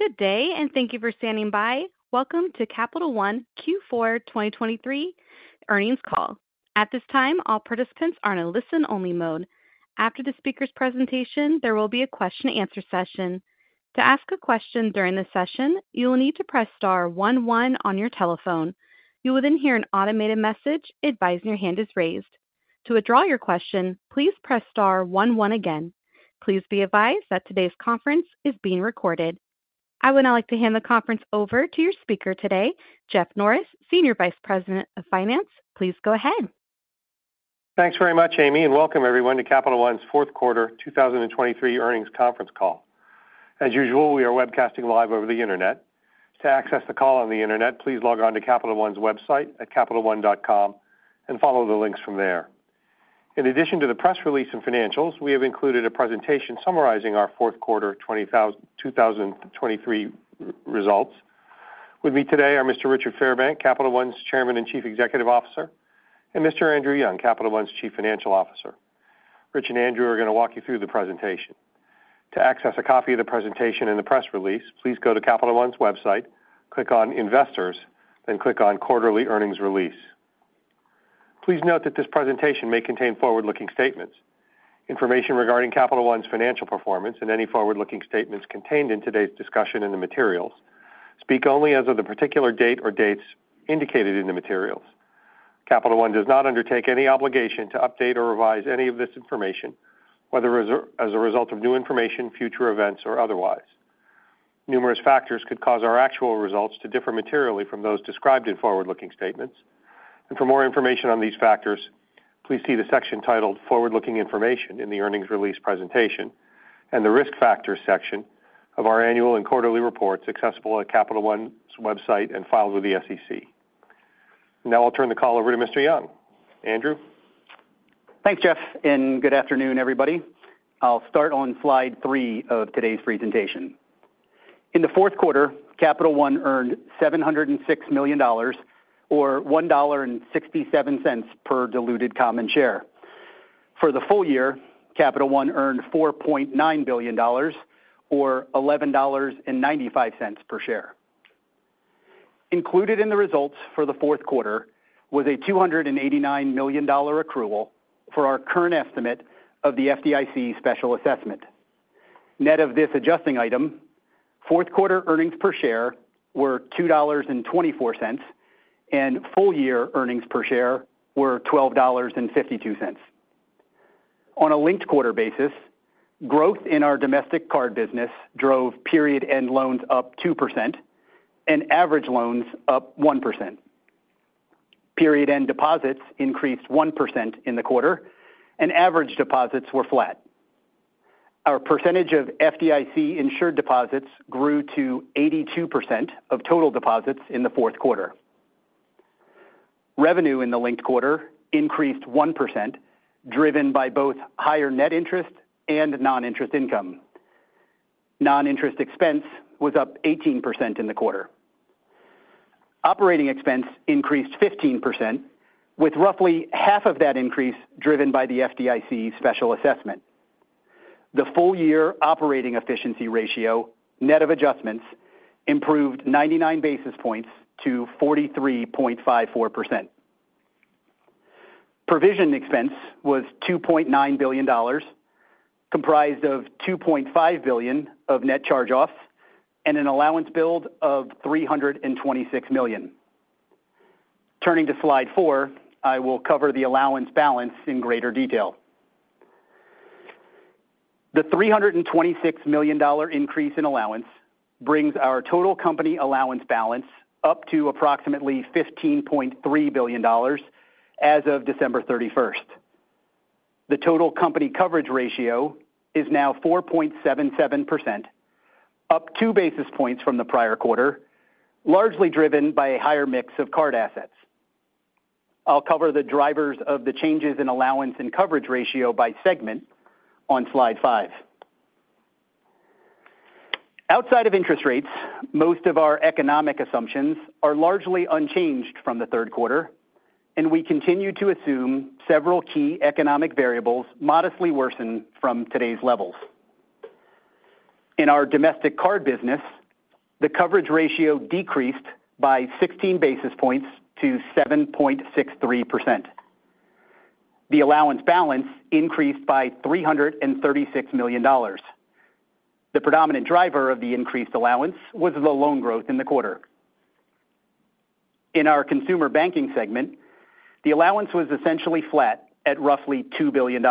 Good day, and thank you for standing by. Welcome to Capital One Q4 2023 earnings call. At this time, all participants are in a listen-only mode. After the speaker's presentation, there will be a question-and-answer session. To ask a question during the session, you will need to press star one one on your telephone. You will then hear an automated message advising your hand is raised. To withdraw your question, please press star one one again. Please be advised that today's conference is being recorded. I would now like to hand the conference over to your speaker today, Jeff Norris, Senior Vice President of Finance. Please go ahead. Thanks very much, Amy, and welcome everyone to Capital One's fourth quarter 2023 earnings conference call. As usual, we are webcasting live over the Internet. To access the call on the Internet, please log on to Capital One's website at capitalone.com and follow the links from there. In addition to the press release and financials, we have included a presentation summarizing our fourth quarter 2023 results. With me today are Mr. Richard Fairbank, Capital One's Chairman and Chief Executive Officer, and Mr. Andrew Young, Capital One's Chief Financial Officer. Rich and Andrew are going to walk you through the presentation. To access a copy of the presentation and the press release, please go to Capital One's website, click on Investors, then click on Quarterly Earnings Release. Please note that this presentation may contain forward-looking statements. Information regarding Capital One's financial performance and any forward-looking statements contained in today's discussion in the materials speak only as of the particular date or dates indicated in the materials. Capital One does not undertake any obligation to update or revise any of this information, whether as a result of new information, future events, or otherwise. Numerous factors could cause our actual results to differ materially from those described in forward-looking statements. For more information on these factors, please see the section titled Forward-Looking Information in the Earnings Release presentation and the Risk Factors section of our annual and quarterly reports, accessible at Capital One's website and filed with the SEC. Now I'll turn the call over to Mr. Young. Andrew? Thanks, Jeff, and good afternoon, everybody. I'll start on slide three of today's presentation. In the fourth quarter, Capital One earned $706 million or $1.67 per diluted common share. For the full year, Capital One earned $4.9 billion or $11.95 per share. Included in the results for the fourth quarter was a $289 million accrual for our current estimate of the FDIC special assessment. Net of this adjusting item, fourth quarter earnings per share were $2.24, and full-year earnings per share were $12.52. On a linked quarter basis, growth in our domestic card business drove period end loans up 2% and average loans up 1%. Period end deposits increased 1% in the quarter and average deposits were flat. Our percentage of FDIC insured deposits grew to 82% of total deposits in the fourth quarter. Revenue in the linked quarter increased 1%, driven by both higher net interest and non-interest income. Non-interest expense was up 18% in the quarter. Operating expense increased 15%, with roughly half of that increase driven by the FDIC special assessment. The full-year operating efficiency ratio, net of adjustments, improved 99 basis points to 43.54%. Provision expense was $2.9 billion, comprised of $2.5 billion of net charge-offs and an allowance build of $326 million. Turning to slide four, I will cover the allowance balance in greater detail. The $326 million increase in allowance brings our total company allowance balance up to approximately $15.3 billion as of December 31st. The total company coverage ratio is now 4.77%, up two basis points from the prior quarter, largely driven by a higher mix of card assets. I'll cover the drivers of the changes in allowance and coverage ratio by segment on slide five. Outside of interest rates, most of our economic assumptions are largely unchanged from the third quarter, and we continue to assume several key economic variables modestly worsen from today's levels. In our domestic card business, the coverage ratio decreased by 16 basis points to 7.63%. The allowance balance increased by $336 million. The predominant driver of the increased allowance was the loan growth in the quarter. In our consumer banking segment, the allowance was essentially flat at roughly $2 billion.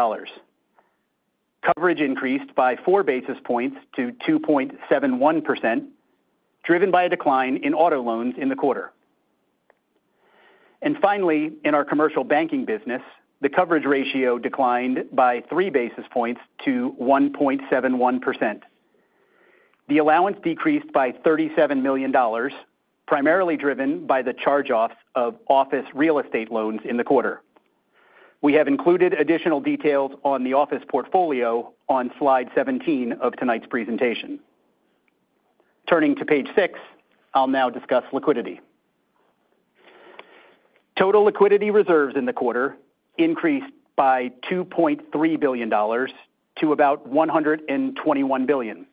Coverage increased by four basis points to 2.71%, driven by a decline in auto loans in the quarter. And finally, in our commercial banking business, the coverage ratio declined by three basis points to 1.71%. The allowance decreased by $37 million, primarily driven by the charge-offs of office real estate loans in the quarter. We have included additional details on the office portfolio on slide 17 of tonight's presentation. Turning to page six, I'll now discuss liquidity. Total liquidity reserves in the quarter increased by $2.3 billion to about $121 billion.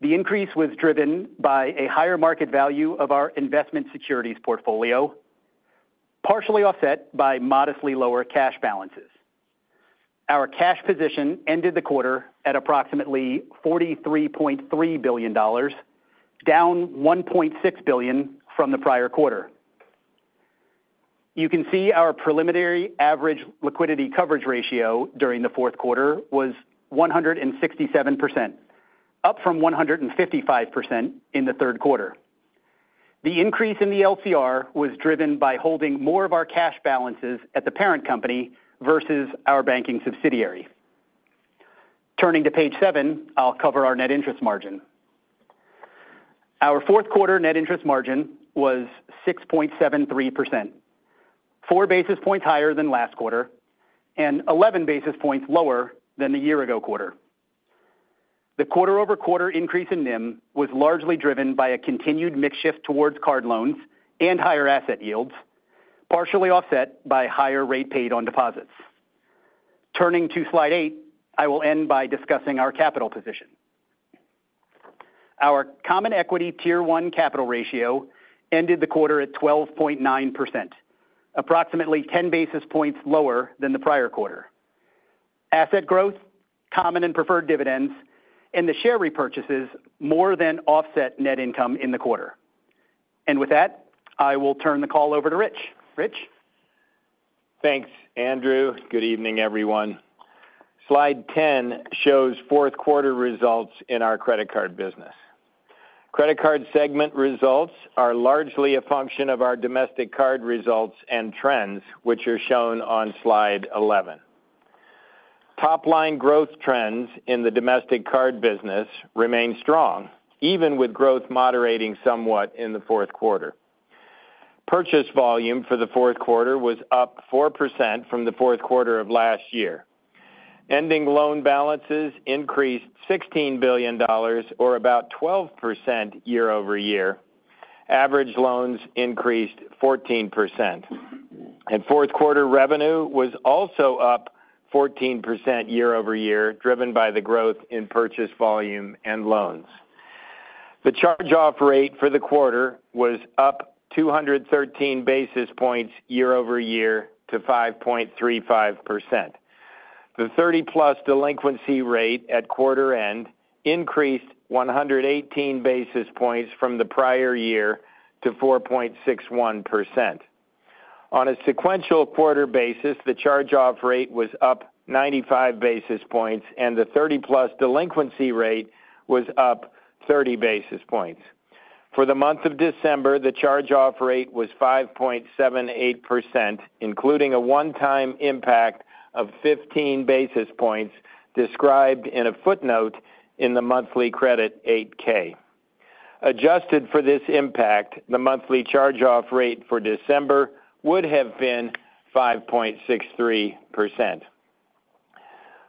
The increase was driven by a higher market value of our investment securities portfolio, partially offset by modestly lower cash balances. Our cash position ended the quarter at approximately $43.3 billion, down $1.6 billion from the prior quarter. You can see our preliminary average liquidity coverage ratio during the fourth quarter was 167%, up from 155% in the third quarter. The increase in the LCR was driven by holding more of our cash balances at the parent company versus our banking subsidiary. Turning to page seven, I'll cover our net interest margin. Our fourth quarter net interest margin was 6.73%, four basis points higher than last quarter, and 11 basis points lower than the year ago quarter. The quarter-over-quarter increase in NIM was largely driven by a continued mix shift towards card loans and higher asset yields, partially offset by higher rate paid on deposits. Turning to slide eight, I will end by discussing our capital position. Our Common Equity Tier 1 capital ratio ended the quarter at 12.9%, approximately 10 basis points lower than the prior quarter. Asset growth, common and preferred dividends, and the share repurchases more than offset net income in the quarter. And with that, I will turn the call over to Rich. Rich? Thanks, Andrew. Good evening, everyone. Slide 10 shows fourth quarter results in our credit card business. Credit card segment results are largely a function of our domestic card results and trends, which are shown on slide 11. Top-line growth trends in the domestic card business remain strong, even with growth moderating somewhat in the fourth quarter. Purchase volume for the fourth quarter was up 4% from the fourth quarter of last year. Ending loan balances increased $16 billion or about 12% year-over-year. Average loans increased 14%, and fourth quarter revenue was also up 14% year-over-year, driven by the growth in purchase volume and loans. The charge-off rate for the quarter was up 213 basis points year-over-year to 5.35%. The 30+ delinquency rate at quarter end increased 118 basis points from the prior year to 4.61%. On a sequential quarter basis, the charge-off rate was up 95 basis points, and the 30+ delinquency rate was up 30 basis points. For the month of December, the charge-off rate was 5.78%, including a one-time impact of 15 basis points, described in a footnote in the monthly credit 8-K. Adjusted for this impact, the monthly charge-off rate for December would have been 5.63%.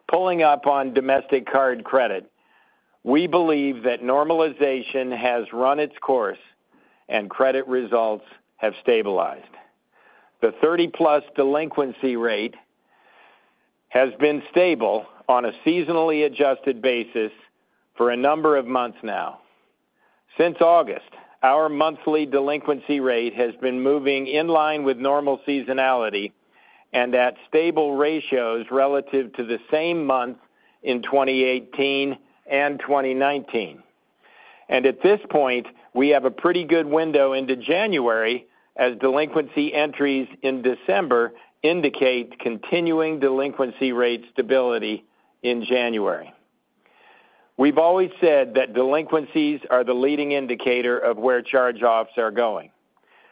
Pulling up on domestic card credit, we believe that normalization has run its course and credit results have stabilized. The 30+ delinquency rate has been stable on a seasonally adjusted basis for a number of months now. Since August, our monthly delinquency rate has been moving in line with normal seasonality and at stable ratios relative to the same month in 2018 and 2019. At this point, we have a pretty good window into January, as delinquency entries in December indicate continuing delinquency rate stability in January. We've always said that delinquencies are the leading indicator of where charge-offs are going.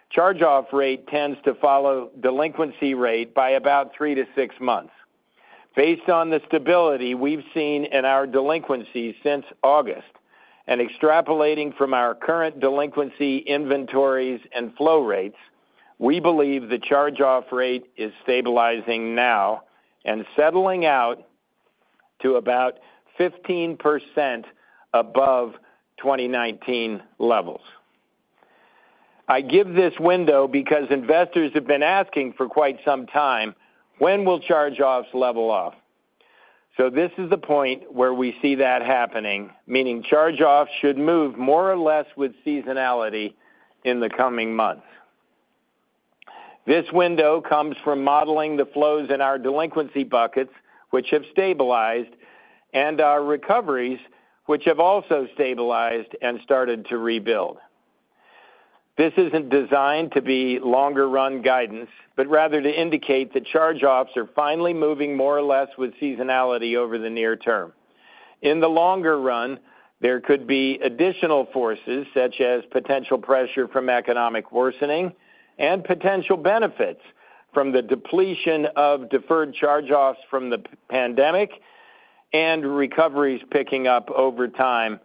Charge-off rate tends to follow delinquency rate by about three to six months. Based on the stability we've seen in our delinquencies since August, and extrapolating from our current delinquency inventories and flow rates, we believe the charge-off rate is stabilizing now and settling out to about 15% above 2019 levels. I give this window because investors have been asking for quite some time, "When will charge-offs level off?" So this is the point where we see that happening, meaning charge-offs should move more or less with seasonality in the coming months. This window comes from modeling the flows in our delinquency buckets, which have stabilized, and our recoveries, which have also stabilized and started to rebuild. This isn't designed to be longer-run guidance, but rather to indicate that charge-offs are finally moving more or less with seasonality over the near term. In the longer run, there could be additional forces, such as potential pressure from economic worsening and potential benefits from the depletion of deferred charge-offs from the pandemic and recoveries picking up over time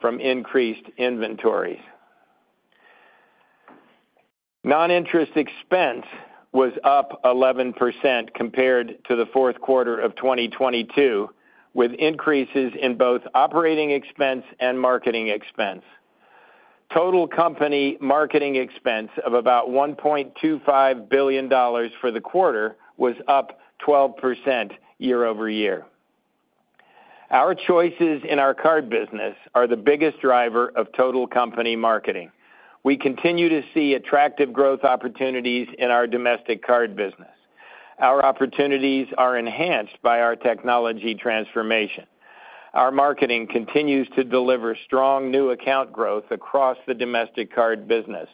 from increased inventories. Non-interest expense... was up 11% compared to the fourth quarter of 2022, with increases in both operating expense and marketing expense. Total company marketing expense of about $1.'25 billion for the quarter was up 12% year-over-year. Our choices in our card business are the biggest driver of total company marketing. We continue to see attractive growth opportunities in our domestic card business. Our opportunities are enhanced by our technology transformation. Our marketing continues to deliver strong new account growth across the domestic card business.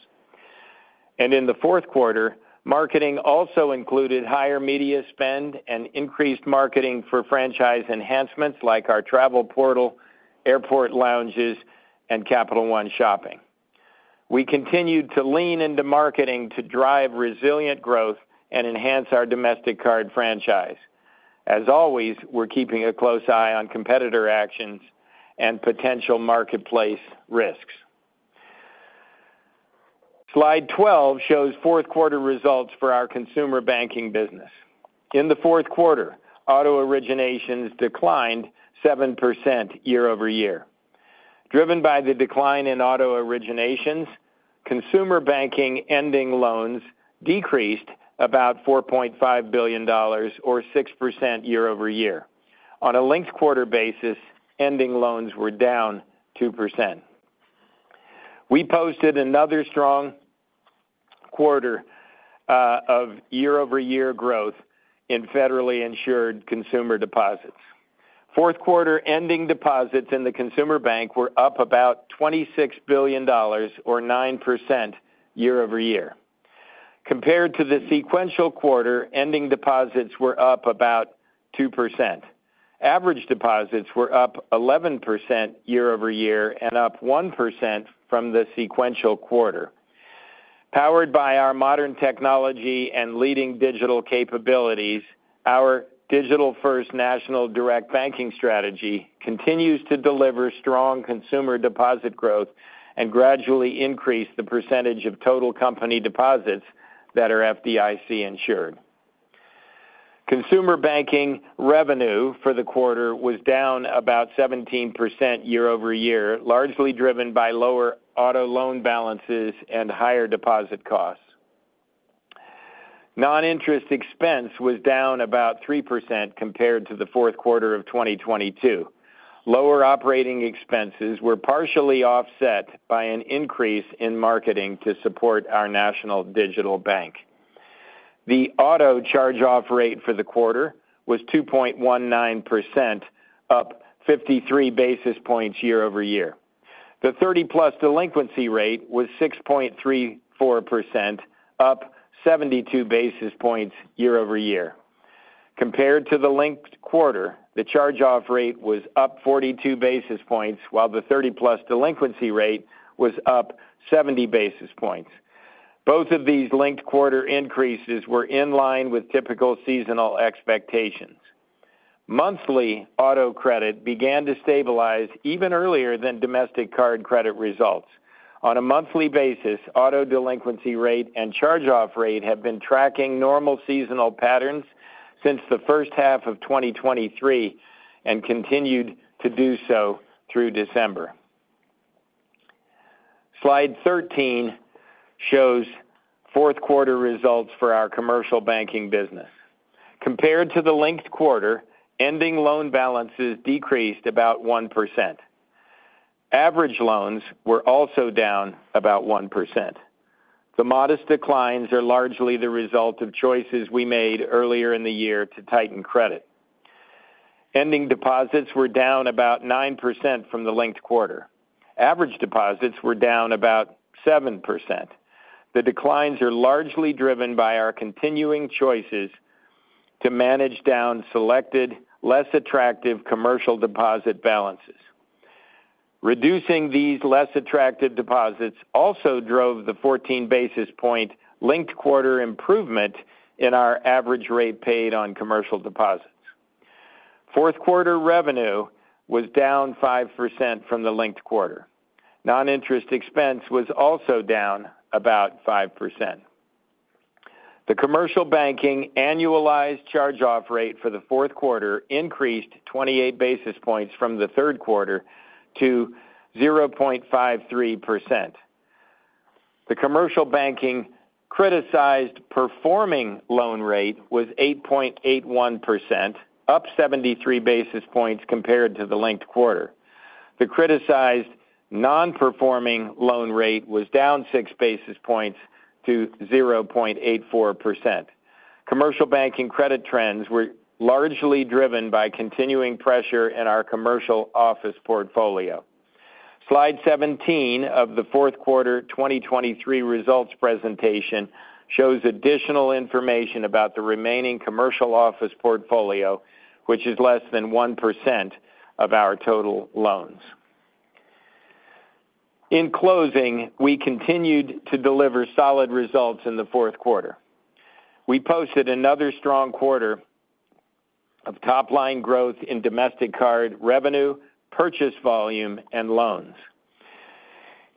In the fourth quarter, marketing also included higher media spend and increased marketing for franchise enhancements like our travel portal, airport lounges, and Capital One Shopping. We continued to lean into marketing to drive resilient growth and enhance our domestic card franchise. As always, we're keeping a close eye on competitor actions and potential marketplace risks. Slide 12 shows fourth quarter results for our consumer banking business. In the fourth quarter, auto originations declined 7% year-over-year. Driven by the decline in auto originations, consumer banking ending loans decreased about $4.5 billion or 6% year-over-year. On a linked quarter basis, ending loans were down 2%. We posted another strong quarter of year-over-year growth in federally insured consumer deposits. Fourth quarter ending deposits in the consumer bank were up about $26 billion or 9% year-over-year. Compared to the sequential quarter, ending deposits were up about 2%. Average deposits were up 11% year-over-year and up 1% from the sequential quarter. Powered by our modern technology and leading digital capabilities, our digital-first national direct banking strategy continues to deliver strong consumer deposit growth and gradually increase the percentage of total company deposits that are FDIC insured. Consumer banking revenue for the quarter was down about 17% year-over-year, largely driven by lower auto loan balances and higher deposit costs. Non-interest expense was down about 3% compared to the fourth quarter of 2022. Lower operating expenses were partially offset by an increase in marketing to support our national digital bank. The auto charge-off rate for the quarter was 2.19%, up 53 basis points year-over-year. The 30-plus delinquency rate was 6.34%, up 72 basis points year-over-year. Compared to the linked quarter, the charge-off rate was up 42 basis points, while the 30-plus delinquency rate was up 70 basis points. Both of these linked quarter increases were in line with typical seasonal expectations. Monthly auto credit began to stabilize even earlier than domestic card credit results. On a monthly basis, auto delinquency rate and charge-off rate have been tracking normal seasonal patterns since the first half of 2023, and continued to do so through December. Slide 13 shows fourth quarter results for our commercial banking business. Compared to the linked quarter, ending loan balances decreased about 1%. Average loans were also down about 1%. The modest declines are largely the result of choices we made earlier in the year to tighten credit. Ending deposits were down about 9% from the linked quarter. Average deposits were down about 7%. The declines are largely driven by our continuing choices to manage down selected, less attractive commercial deposit balances. Reducing these less attractive deposits also drove the 14 basis point linked quarter improvement in our average rate paid on commercial deposits. Fourth quarter revenue was down 5% from the linked quarter. Non-interest expense was also down about 5%. The commercial banking annualized charge-off rate for the fourth quarter increased 28 basis points from the third quarter to 0.53%. The commercial banking criticized performing loan rate was 8.81%, up 73 basis points compared to the linked quarter. The criticized non-performing loan rate was down 6 basis points to 0.84%. Commercial banking credit trends were largely driven by continuing pressure in our commercial office portfolio. Slide 17 of the fourth quarter 2023 results presentation shows additional information about the remaining commercial office portfolio, which is less than 1% of our total loans. In closing, we continued to deliver solid results in the fourth quarter. We posted another strong quarter of top-line growth in domestic card revenue, purchase volume, and loans....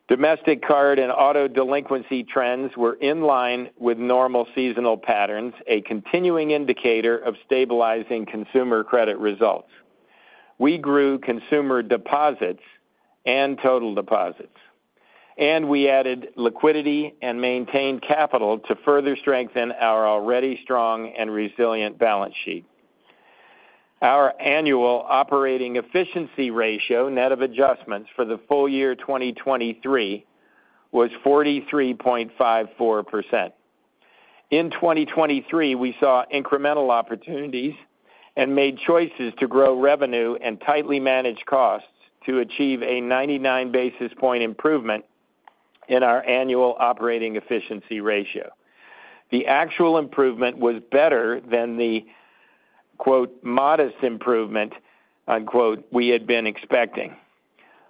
Domestic card and auto delinquency trends were in line with normal seasonal patterns, a continuing indicator of stabilizing consumer credit results. We grew consumer deposits and total deposits, and we added liquidity and maintained capital to further strengthen our already strong and resilient balance sheet. Our annual operating efficiency ratio, net of adjustments for the full year 2023, was 43.54%. In 2023, we saw incremental opportunities and made choices to grow revenue and tightly manage costs to achieve a 99 basis point improvement in our annual operating efficiency ratio. The actual improvement was better than the, quote, modest improvement, unquote, we had been expecting.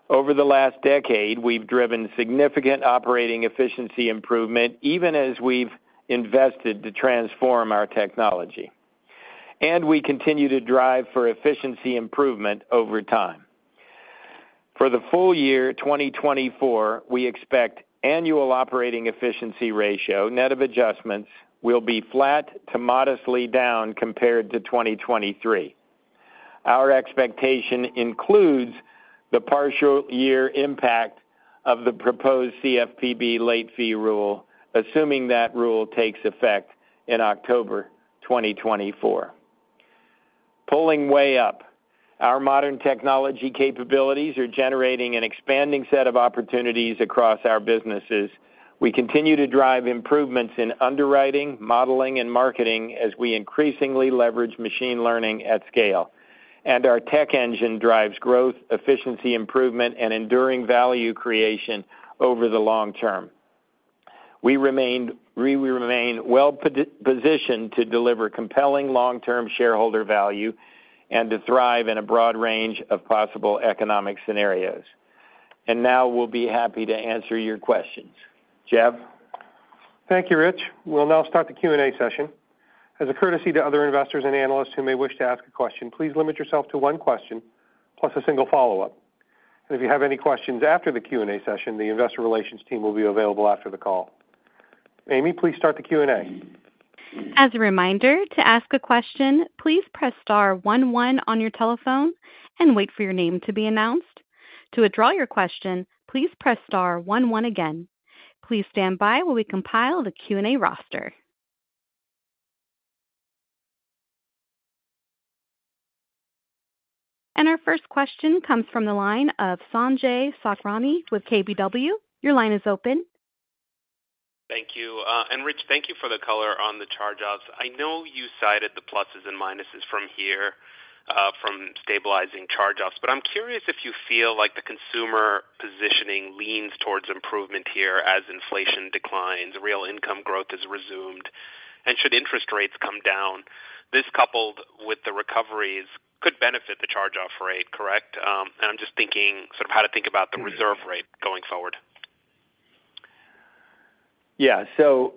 Over the last decade, we've driven significant operating efficiency improvement, even as we've invested to transform our technology, and we continue to drive for efficiency improvement over time. For the full year 2024, we expect annual operating efficiency ratio, net of adjustments, will be flat to modestly down compared to 2023. Our expectation includes the partial year impact of the proposed CFPB late fee rule, assuming that rule takes effect in October 2024. Pulling way up, our modern technology capabilities are generating an expanding set of opportunities across our businesses. We continue to drive improvements in underwriting, modeling, and marketing as we increasingly leverage machine learning at scale, and our tech engine drives growth, efficiency improvement, and enduring value creation over the long term. We will remain well positioned to deliver compelling long-term shareholder value and to thrive in a broad range of possible economic scenarios. And now we'll be happy to answer your questions. Jeff? Thank you, Rich. We'll now start the Q&A session. As a courtesy to other investors and analysts who may wish to ask a question, please limit yourself to one question, plus a single follow-up. If you have any questions after the Q&A session, the investor relations team will be available after the call. Amy, please start the Q&A. As a reminder, to ask a question, please press star one, one on your telephone and wait for your name to be announced. To withdraw your question, please press star one, one again. Please stand by while we compile the Q&A roster. Our first question comes from the line of Sanjay Sakhrani with KBW. Your line is open. Thank you. And Rich, thank you for the color on the charge-offs. I know you cited the pluses and minuses from here, from stabilizing charge-offs, but I'm curious if you feel like the consumer positioning leans towards improvement here as inflation declines, real income growth is resumed, and should interest rates come down. This, coupled with the recoveries, could benefit the charge-off rate, correct? And I'm just thinking, sort of how to think about the reserve rate going forward. Yeah. So,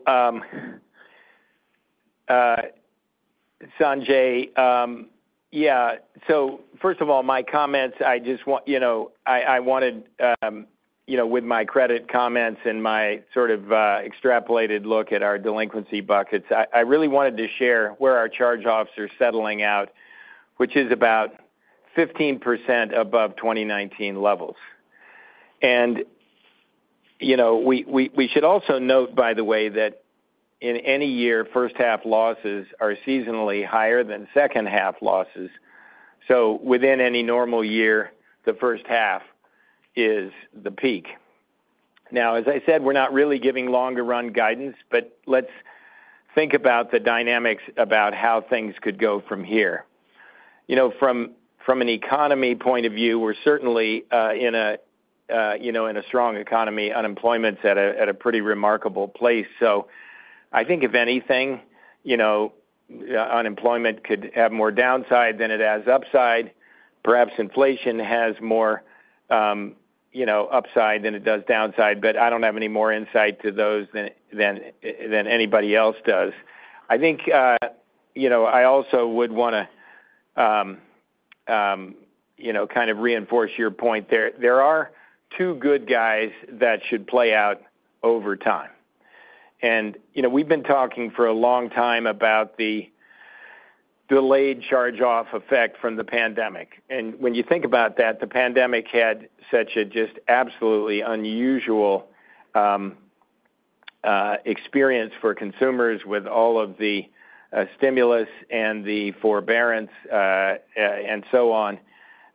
Sanjay, yeah. So first of all, my comments, I just want, you know, I wanted, you know, with my credit comments and my sort of, extrapolated look at our delinquency buckets, I really wanted to share where our charge-offs are settling out, which is about 15% above 2019 levels. And, you know, we should also note, by the way, that in any year, first half losses are seasonally higher than second half losses. So within any normal year, the first half is the peak. Now, as I said, we're not really giving longer run guidance, but let's think about the dynamics about how things could go from here. You know, from an economy point of view, we're certainly in a strong economy, unemployment's at a pretty remarkable place. So I think if anything, you know, unemployment could have more downside than it has upside. Perhaps inflation has more, you know, upside than it does downside, but I don't have any more insight to those than anybody else does. I think, you know, I also would want to, you know, kind of reinforce your point. There are two good guys that should play out over time. And, you know, we've been talking for a long time about the delayed charge-off effect from the pandemic. And when you think about that, the pandemic had such a just absolutely unusual experience for consumers with all of the stimulus and the forbearance, and so on,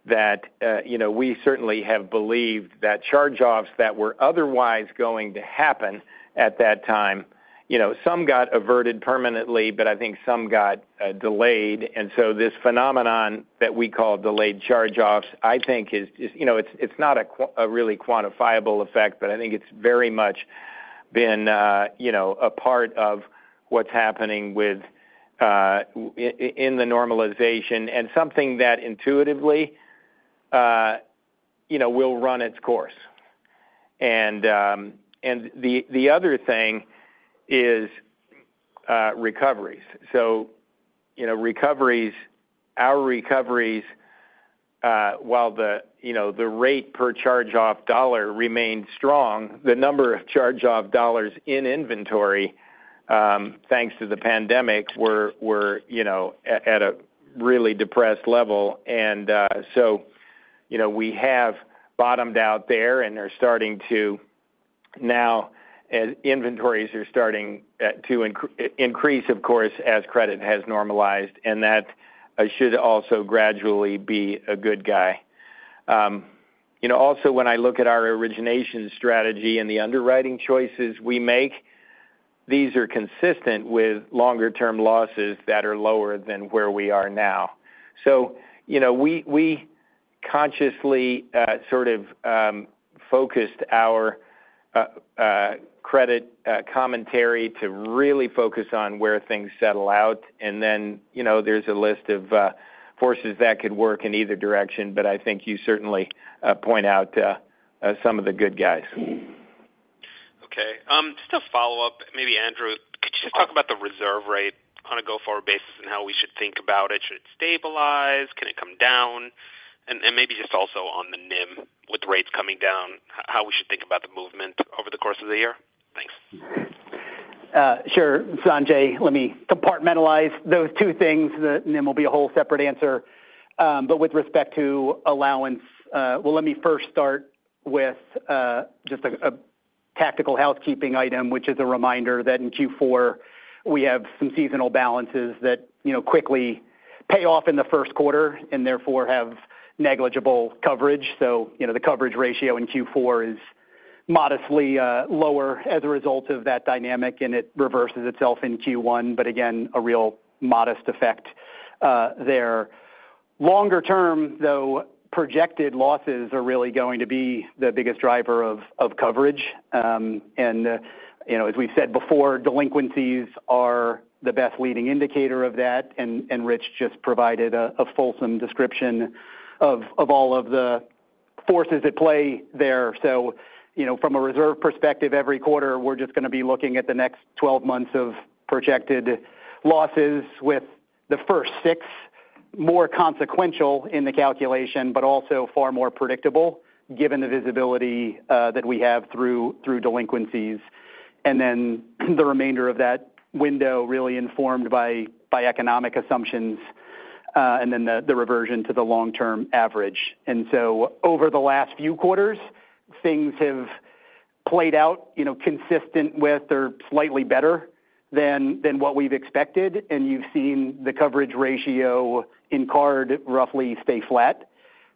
that you know, we certainly have believed that charge-offs that were otherwise going to happen at that time, you know, some got averted permanently, but I think some got delayed. And so this phenomenon that we call delayed charge-offs, I think is, you know, it's not a really quantifiable effect, but I think it's very much been, you know, a part of what's happening with in the normalization and something that intuitively, you know, will run its course. And the other thing is recoveries. So, you know, recoveries, our recoveries, while the, you know, the rate per charge-off dollar remains strong, the number of charge-off dollars in inventory, thanks to the pandemic, were, you know, at a really depressed level. And, so, you know, we have bottomed out there and are starting to now, as inventories are starting to increase, of course, as credit has normalized, and that should also gradually be a good guy. You know, also when I look at our origination strategy and the underwriting choices we make, these are consistent with longer term losses that are lower than where we are now. So, you know, we consciously sort of focused our credit commentary to really focus on where things settle out. And then, you know, there's a list of forces that could work in either direction, but I think you certainly point out some of the good guys. Okay. Just to follow up, maybe Andrew, could you just talk about the reserve rate on a go-forward basis, and how we should think about it? Should it stabilize? Can it come down? And, and maybe just also on the NIM, with rates coming down, how we should think about the movement over the course of the year? Thanks. Sure, Sanjay. Let me compartmentalize those two things. The NIM will be a whole separate answer. But with respect to allowance, well, let me first start with just a tactical housekeeping item, which is a reminder that in Q4, we have some seasonal balances that, you know, quickly pay off in the first quarter, and therefore have negligible coverage. So, you know, the coverage ratio in Q4 is modestly lower as a result of that dynamic, and it reverses itself in Q1, but again, a real modest effect there. Longer term, though, projected losses are really going to be the biggest driver of coverage. And, you know, as we've said before, delinquencies are the best leading indicator of that, and Rich just provided a fulsome description of all of the forces at play there. So, you know, from a reserve perspective, every quarter, we're just gonna be looking at the next twelve months of projected losses with the first six, more consequential in the calculation, but also far more predictable, given the visibility that we have through delinquencies. And then, the remainder of that window, really informed by economic assumptions, and then the reversion to the long-term average. And so over the last few quarters, things have played out, you know, consistent with or slightly better than what we've expected, and you've seen the coverage ratio in card roughly stay flat.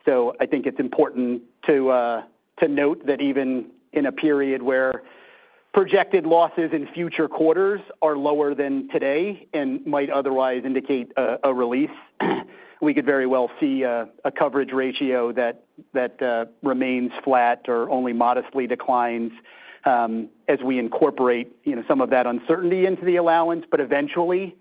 So I think it's important to, to note that even in a period where projected losses in future quarters are lower than today and might otherwise indicate a release, we could very well see a coverage ratio that remains flat or only modestly declines, as we incorporate, you know, some of that uncertainty into the allowance. But eventually,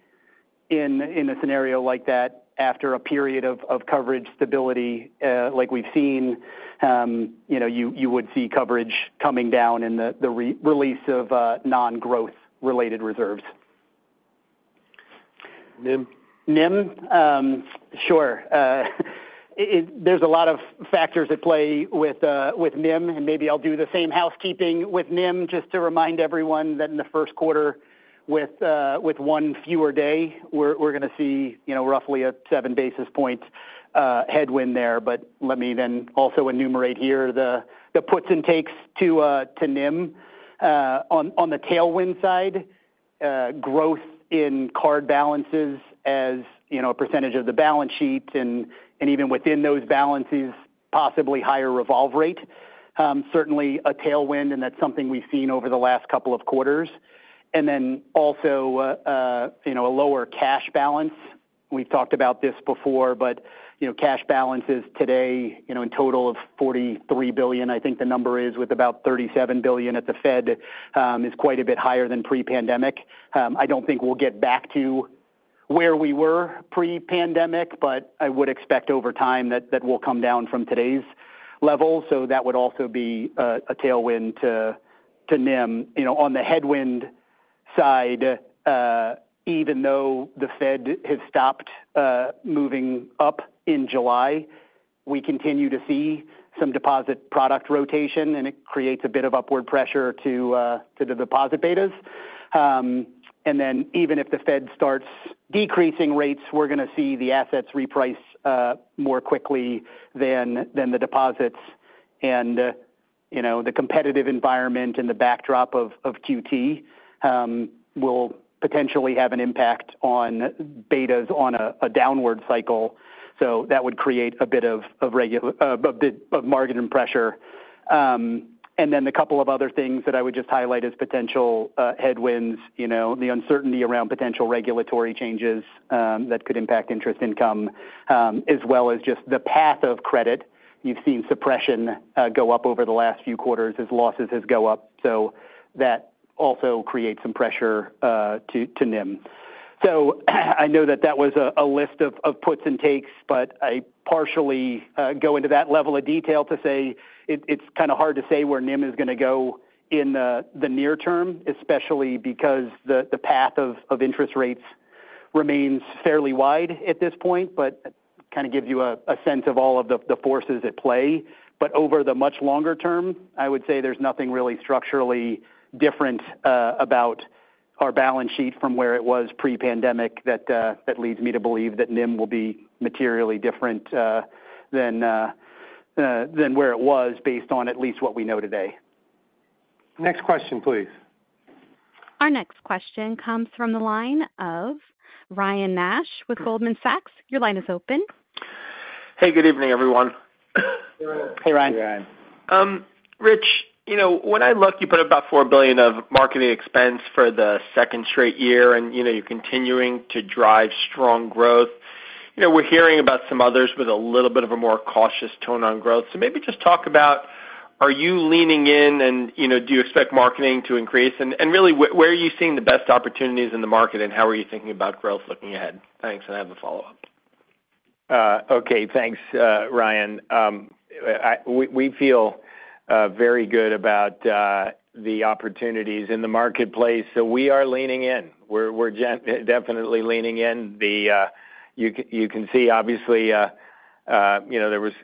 in a scenario like that, after a period of coverage stability, like we've seen, you know, you would see coverage coming down in the re-release of non-growth related reserves. NIM? NIM? Sure. There's a lot of factors at play with NIM, and maybe I'll do the same housekeeping with NIM, just to remind everyone that in the first quarter, with one fewer day, we're gonna see, you know, roughly seven basis points headwind there. But let me then also enumerate here the puts and takes to NIM. On the tailwind side, growth in card balances, as you know, a percentage of the balance sheet, and even within those balances, possibly higher revolve rate, certainly a tailwind, and that's something we've seen over the last couple of quarters. And then also, you know, a lower cash balance. We've talked about this before, but, you know, cash balances today, you know, in total of $43 billion, I think the number is, with about $37 billion at the Fed, is quite a bit higher than pre-pandemic. I don't think we'll get back to where we were pre-pandemic, but I would expect over time, that will come down from today's level, so that would also be a tailwind to NIM. You know, on the headwind side, even though the Fed has stopped moving up in July, we continue to see some deposit product rotation, and it creates a bit of upward pressure to the deposit betas. And then even if the Fed starts decreasing rates, we're gonna see the assets reprice more quickly than the deposits. You know, the competitive environment and the backdrop of QT will potentially have an impact on betas on a downward cycle, so that would create a bit of margin and pressure. And then a couple of other things that I would just highlight as potential headwinds, you know, the uncertainty around potential regulatory changes that could impact interest income, as well as just the path of credit. You've seen suppression go up over the last few quarters as losses have gone up, so that also creates some pressure to NIM. So I know that that was a list of puts and takes, but I partially go into that level of detail to say it's kind of hard to say where NIM is gonna go in the near term, especially because the path of interest rates remains fairly wide at this point. But kind of gives you a sense of all of the forces at play. But over the much longer term, I would say there's nothing really structurally different about our balance sheet from where it was pre-pandemic that leads me to believe that NIM will be materially different than where it was based on at least what we know today. Next question, please. Our next question comes from the line of Ryan Nash with Goldman Sachs. Your line is open. Hey, good evening, everyone. Hey, Ryan. Hey, Ryan. Rich, you know, when I look, you put about $4 billion of marketing expense for the second straight year, and, you know, you're continuing to drive strong growth. You know, we're hearing about some others with a little bit of a more cautious tone on growth. So maybe just talk about, are you leaning in and, you know, do you expect marketing to increase? And really, where are you seeing the best opportunities in the market, and how are you thinking about growth looking ahead? Thanks, and I have a follow-up. Okay, thanks, Ryan. We, we feel very good about the opportunities in the marketplace, so we are leaning in. We're, we're definitely leaning in. You can see obviously, you know, there was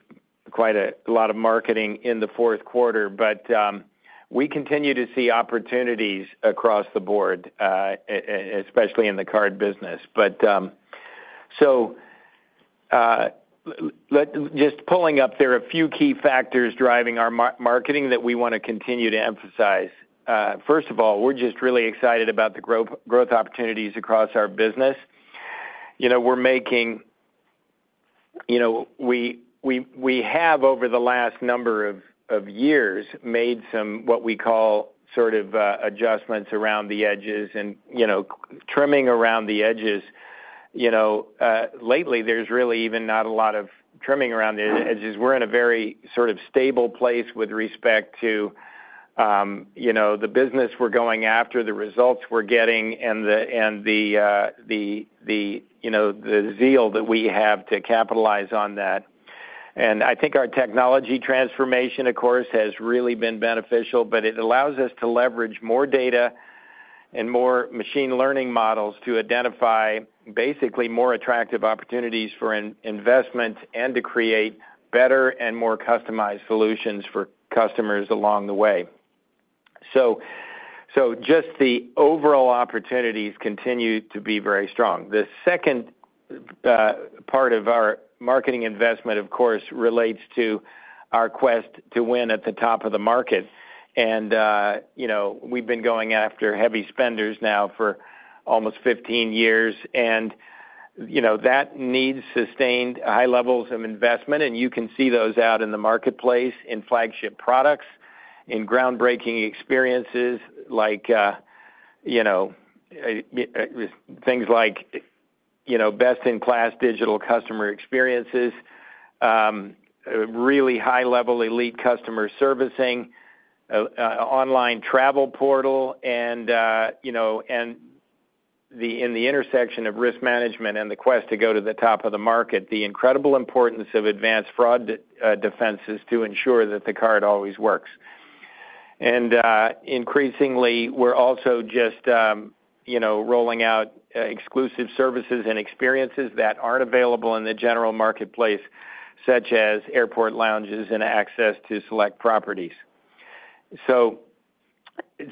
quite a lot of marketing in the fourth quarter. But we continue to see opportunities across the board, especially in the card business. But so just pulling up, there are a few key factors driving our marketing that we want to continue to emphasize. First of all, we're just really excited about the growth opportunities across our business. You know, we're making... You know, we have, over the last number of years, made some what we call sort of adjustments around the edges and, you know, trimming around the edges. You know, lately, there's really even not a lot of trimming around the edges. We're in a very sort of stable place with respect to, you know, the business we're going after, the results we're getting, and the zeal that we have to capitalize on that. And I think our technology transformation, of course, has really been beneficial, but it allows us to leverage more data and more machine learning models to identify basically more attractive opportunities for investment and to create better and more customized solutions for customers along the way. So just the overall opportunities continue to be very strong. The second part of our marketing investment, of course, relates to our quest to win at the top of the market. And, you know, we've been going after heavy spenders now for almost 15 years, and, you know, that needs sustained high levels of investment, and you can see those out in the marketplace, in flagship products, in groundbreaking experiences like, you know, things like, you know, best-in-class digital customer experiences, really high-level elite customer servicing, online travel portal, and, you know, and the, in the intersection of risk management and the quest to go to the top of the market, the incredible importance of advanced fraud defenses to ensure that the card always works. Increasingly, we're also just, you know, rolling out exclusive services and experiences that aren't available in the general marketplace, such as airport lounges and access to select properties.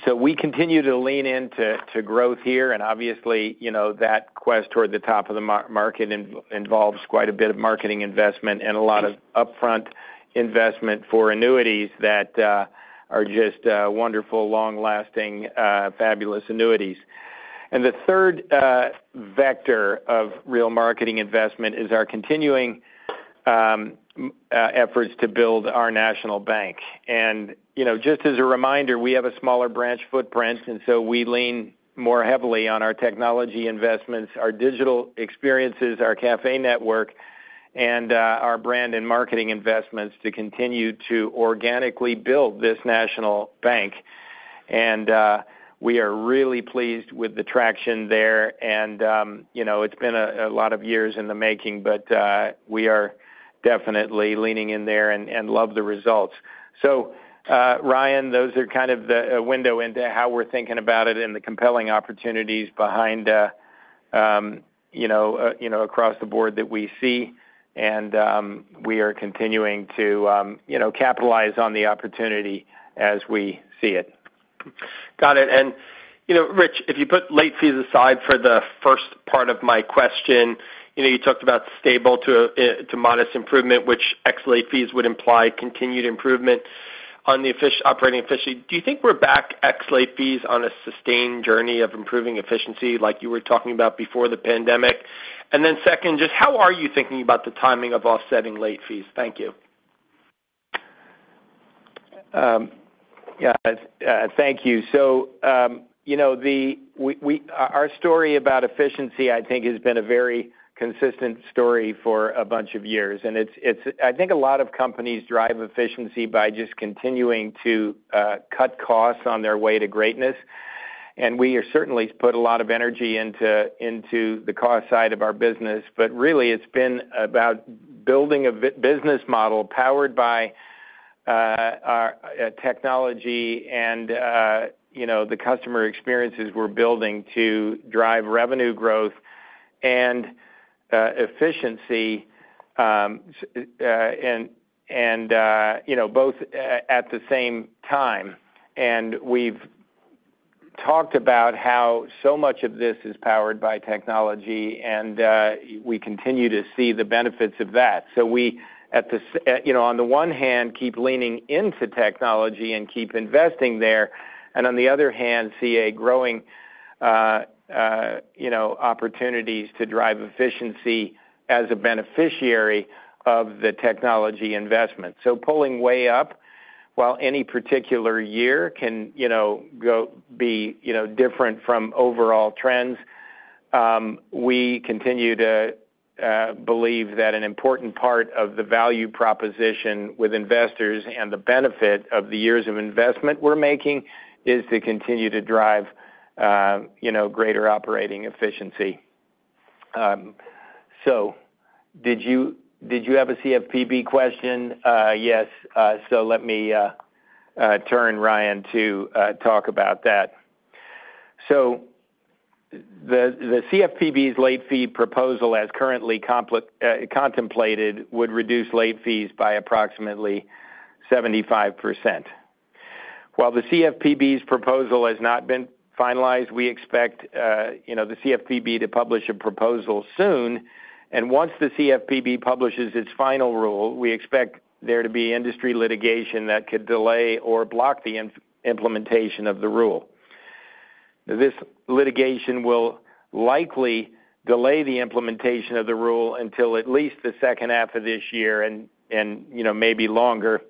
So we continue to lean into growth here, and obviously, you know, that quest toward the top of the market involves quite a bit of marketing investment and a lot of upfront investment for annuities that are just wonderful, long-lasting, fabulous annuities. And the third vector of real marketing investment is our continuing efforts to build our national bank. And, you know, just as a reminder, we have a smaller branch footprint, and so we lean more heavily on our technology investments, our digital experiences, our cafe network, and our brand and marketing investments to continue to organically build this national bank. And we are really pleased with the traction there, and you know, it's been a lot of years in the making, but we are definitely leaning in there and love the results. So, Ryan, those are kind of the window into how we're thinking about it and the compelling opportunities behind you know across the board that we see, and we are continuing to you know capitalize on the opportunity as we see it. Got it. And, you know, Rich, if you put late fees aside for the first part of my question, you know, you talked about stable to modest improvement, which ex late fees would imply continued improvement on the operating efficiency. Do you think we're back, ex late fees, on a sustained journey of improving efficiency like you were talking about before the pandemic? And then second, just how are you thinking about the timing of offsetting late fees? Thank you. Yeah, thank you. So, you know, our story about efficiency, I think, has been a very consistent story for a bunch of years, and it's, it's... I think a lot of companies drive efficiency by just continuing to cut costs on their way to greatness. and we have certainly put a lot of energy into the cost side of our business. But really, it's been about building a business model powered by our technology and, you know, the customer experiences we're building to drive revenue growth and efficiency, and, you know, both at the same time. And we've talked about how so much of this is powered by technology, and we continue to see the benefits of that. So we, at the you know, on the one hand, keep leaning into technology and keep investing there, and on the other hand, see a growing, you know, opportunities to drive efficiency as a beneficiary of the technology investment. So pulling way up, while any particular year can, you know, different from overall trends, we continue to believe that an important part of the value proposition with investors and the benefit of the years of investment we're making, is to continue to drive, you know, greater operating efficiency. So did you have a CFPB question? Yes, so let me turn Ryan to talk about that. So the CFPB's late fee proposal, as currently contemplated, would reduce late fees by approximately 75%. While the CFPB's proposal has not been finalized, we expect, you know, the CFPB to publish a proposal soon, and once the CFPB publishes its final rule, we expect there to be industry litigation that could delay or block the implementation of the rule. This litigation will likely delay the implementation of the rule until at least the second half of this year, and, you know, maybe longer.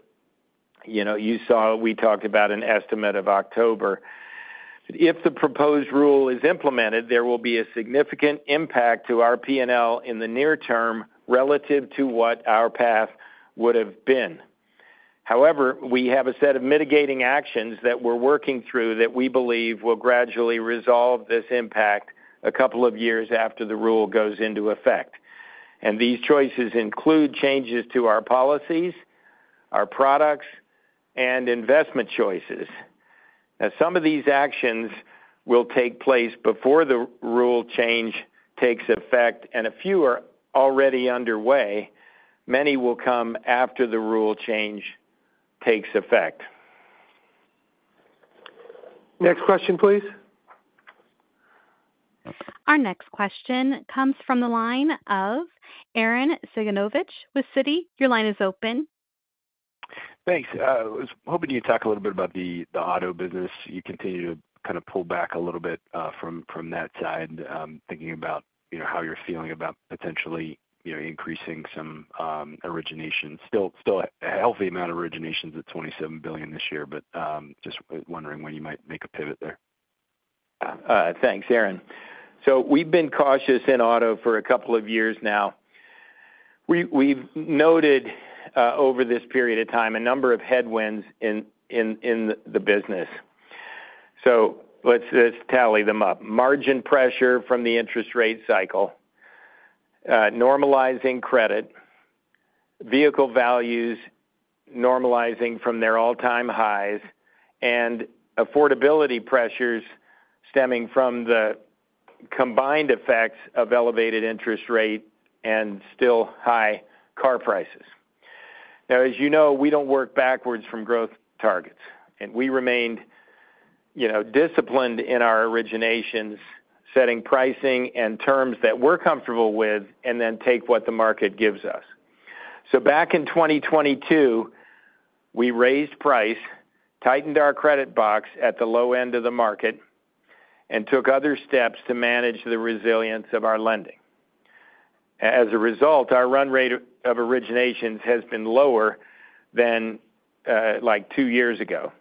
You know, you saw we talked about an estimate of October. If the proposed rule is implemented, there will be a significant impact to our PNL in the near term, relative to what our path would have been. However, we have a set of mitigating actions that we're working through that we believe will gradually resolve this impact a couple of years after the rule goes into effect. These choices include changes to our policies, our products, and investment choices. Now, some of these actions will take place before the rule change takes effect, and a few are already underway. Many will come after the rule change takes effect. Next question, please? Our next question comes from the line of Arren Cyganovich with Citi. Your line is open. Thanks. I was hoping you'd talk a little bit about the, the auto business. You continue to kind of pull back a little bit, from, from that side. Thinking about, you know, how you're feeling about potentially, you know, increasing some, origination. Still, still a healthy amount of originations at $27 billion this year, but, just wondering when you might make a pivot there. Thanks, Aaron. So we've been cautious in auto for a couple of years now. We've noted over this period of time a number of headwinds in the business. So let's just tally them up. Margin pressure from the interest rate cycle, normalizing credit, vehicle values normalizing from their all-time highs, and affordability pressures stemming from the combined effects of elevated interest rate and still high car prices. Now, as you know, we don't work backwards from growth targets, and we remained, you know, disciplined in our originations, setting pricing and terms that we're comfortable with, and then take what the market gives us. So back in 2022, we raised price, tightened our credit box at the low end of the market, and took other steps to manage the resilience of our lending. As a result, our run rate of originations has been lower than, like, two years ago.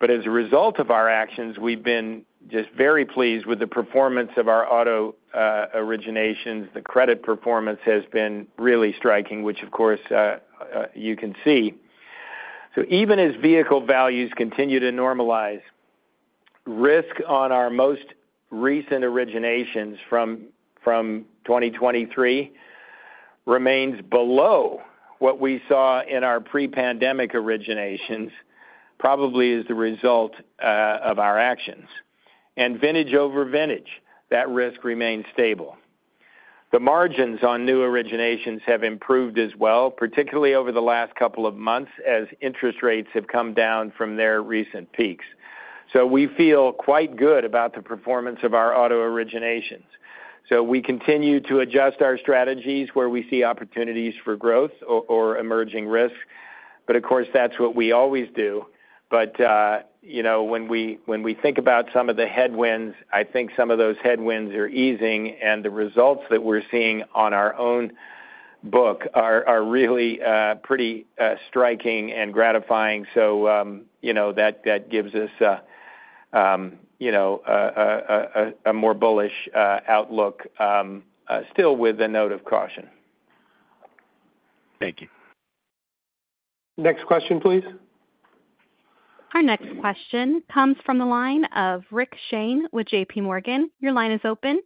But as a result of our actions, we've been just very pleased with the performance of our auto originations. The credit performance has been really striking, which of course you can see. So even as vehicle values continue to normalize, risk on our most recent originations from 2023 remains below what we saw in our pre-pandemic originations, probably as the result of our actions. And vintage over vintage, that risk remains stable. The margins on new originations have improved as well, particularly over the last couple of months, as interest rates have come down from their recent peaks. So we feel quite good about the performance of our auto originations. So we continue to adjust our strategies where we see opportunities for growth or emerging risk, but of course, that's what we always do. But, you know, when we think about some of the headwinds, I think some of those headwinds are easing, and the results that we're seeing on our own book are really pretty striking and gratifying. So, you know, that gives us a more bullish outlook, still with a note of caution.... Thank you. Next question, please. Our next question comes from the line of Rick Shane with JPMorgan. Your line is open.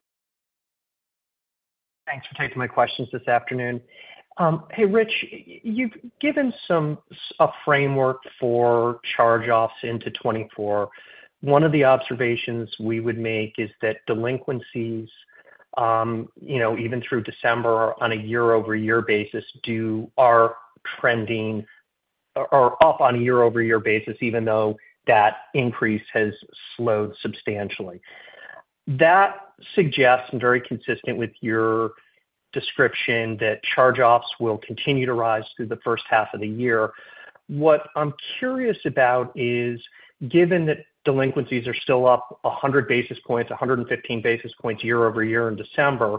Thanks for taking my questions this afternoon. Hey, Rich, you've given some framework for charge-offs into 2024. One of the observations we would make is that delinquencies, you know, even through December on a year-over-year basis, are trending or up on a year-over-year basis, even though that increase has slowed substantially. That suggests, and very consistent with your description, that charge-offs will continue to rise through the first half of the year. What I'm curious about is, given that delinquencies are still up 100 basis points, 115 basis points year-over-year in December,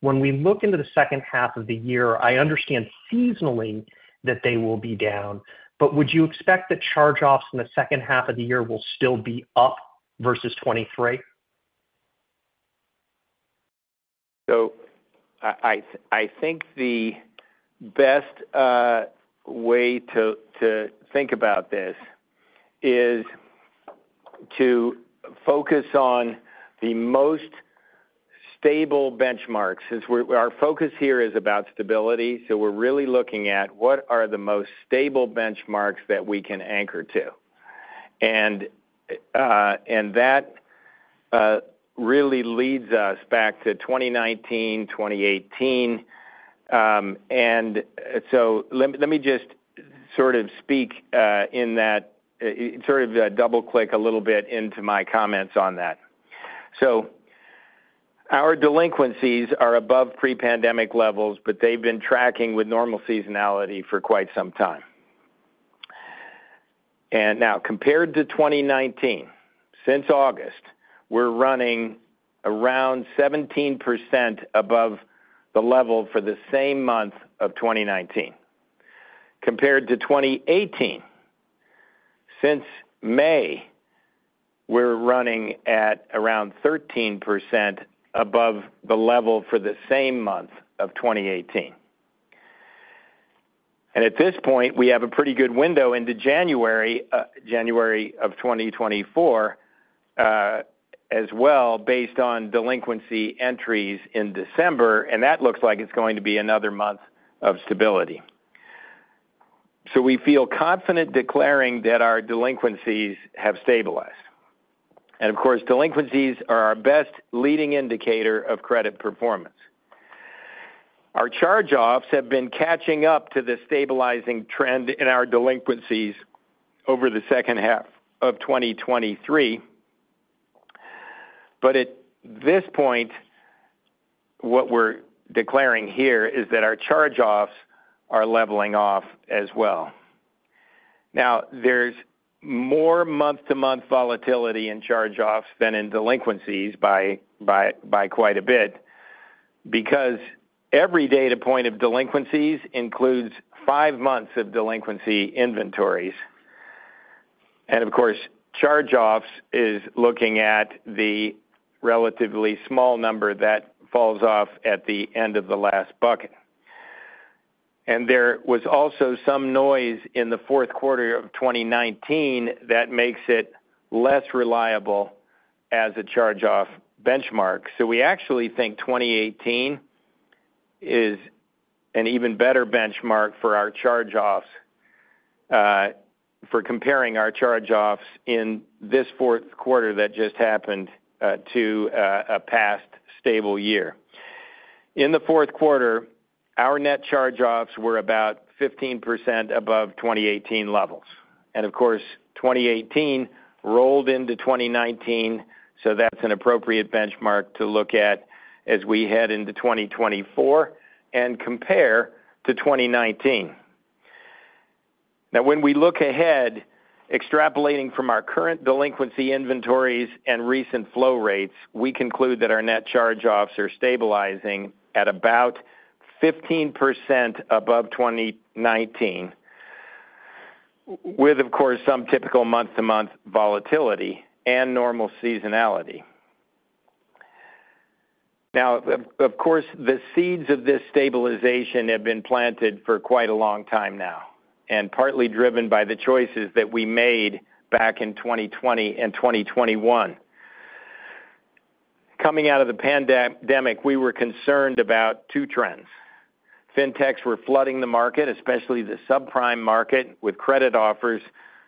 when we look into the second half of the year, I understand seasonally that they will be down. But would you expect that charge-offs in the second half of the year will still be up versus 2023? So I think the best way to think about this is to focus on the most stable benchmarks, since our focus here is about stability, so we're really looking at what are the most stable benchmarks that we can anchor to. And that really leads us back to 2019, 2018. So let me just sort of speak in that sort of double-click a little bit into my comments on that. So our delinquencies are above pre-pandemic levels, but they've been tracking with normal seasonality for quite some time. And now, compared to 2019, since August, we're running around 17% above the level for the same month of 2019. Compared to 2018, since May, we're running at around 13% above the level for the same month of 2018. At this point, we have a pretty good window into January, January 2024, as well, based on delinquency entries in December, and that looks like it's going to be another month of stability. We feel confident declaring that our delinquencies have stabilized. Of course, delinquencies are our best leading indicator of credit performance. Our charge-offs have been catching up to the stabilizing trend in our delinquencies over the second half of 2023. At this point, what we're declaring here is that our charge-offs are leveling off as well. Now, there's more month-to-month volatility in charge-offs than in delinquencies by quite a bit because every data point of delinquencies includes five months of delinquency inventories. Of course, charge-offs is looking at the relatively small number that falls off at the end of the last bucket. There was also some noise in the fourth quarter of 2019 that makes it less reliable as a charge-off benchmark. So we actually think 2018 is an even better benchmark for our charge-offs for comparing our charge-offs in this fourth quarter that just happened to a past stable year. In the fourth quarter, our net charge-offs were about 15% above 2018 levels. And of course, 2018 rolled into 2019, so that's an appropriate benchmark to look at as we head into 2024 and compare to 2019. Now, when we look ahead, extrapolating from our current delinquency inventories and recent flow rates, we conclude that our net charge-offs are stabilizing at about 15% above 2019, with, of course, some typical month-to-month volatility and normal seasonality. Now, of course, the seeds of this stabilization have been planted for quite a long time now, and partly driven by the choices that we made back in 2020 and 2021. Coming out of the pandemic, we were concerned about two trends. Fintechs were flooding the market, especially the subprime market, with credit offers,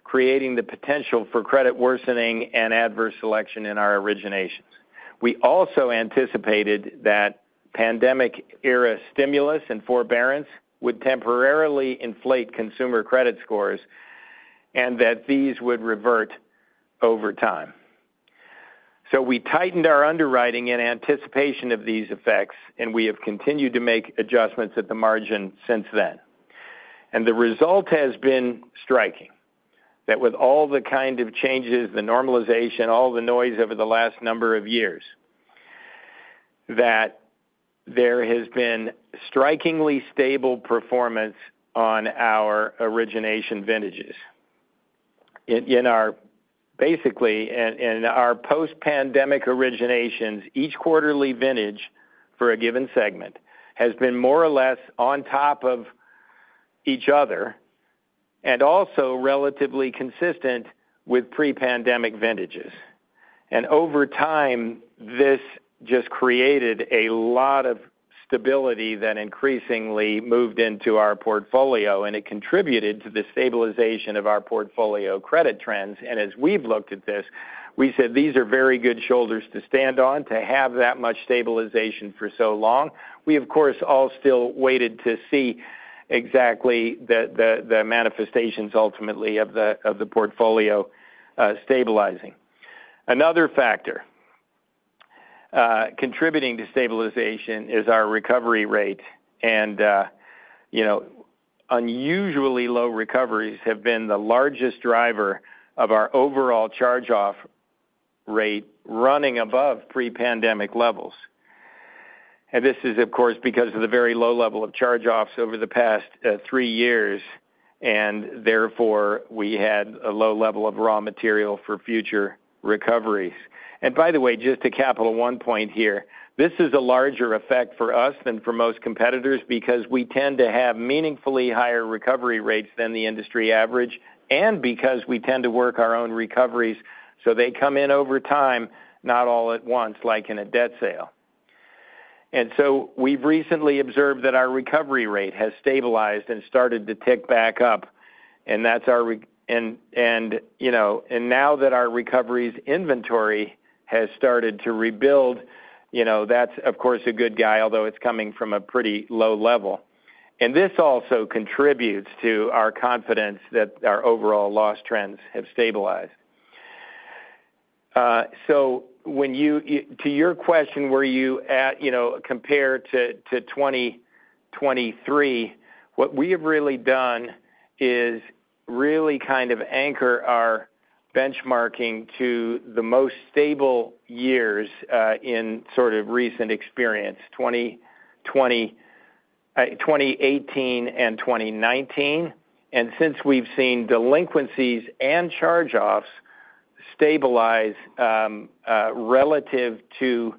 creating the potential for credit worsening and adverse selection in our originations. We also anticipated that pandemic-era stimulus and forbearance would temporarily inflate consumer credit scores and that these would revert over time. So we tightened our underwriting in anticipation of these effects, and we have continued to make adjustments at the margin since then. And the result has been striking, that with all the kind of changes, the normalization, all the noise over the last number of years, that there has been strikingly stable performance on our origination vintages. In our post-pandemic originations, each quarterly vintage for a given segment has been more or less on top of each other and also relatively consistent with pre-pandemic vintages. And over time, this just created a lot of stability that increasingly moved into our portfolio, and it contributed to the stabilization of our portfolio credit trends. And as we've looked at this, we said, "These are very good shoulders to stand on, to have that much stabilization for so long." We, of course, all still waited to see exactly the manifestations ultimately of the portfolio stabilizing. Another factor contributing to stabilization is our recovery rate. And you know, unusually low recoveries have been the largest driver of our overall charge-off rate, running above pre-pandemic levels. This is, of course, because of the very low level of charge-offs over the past three years, and therefore, we had a low level of raw material for future recoveries. By the way, just to Capital One point here, this is a larger effect for us than for most competitors because we tend to have meaningfully higher recovery rates than the industry average, and because we tend to work our own recoveries, so they come in over time, not all at once, like in a debt sale. So we've recently observed that our recovery rate has stabilized and started to tick back up, and that's our, and you know, and now that our recoveries inventory has started to rebuild, you know, that's, of course, a good guy, although it's coming from a pretty low level. This also contributes to our confidence that our overall loss trends have stabilized. So to your question, were you at, you know, compared to 2023, what we have really done is really kind of anchor our benchmarking to the most stable years in sort of recent experience, 2020, 2018 and 2019. Since we've seen delinquencies and charge-offs stabilize, relative to,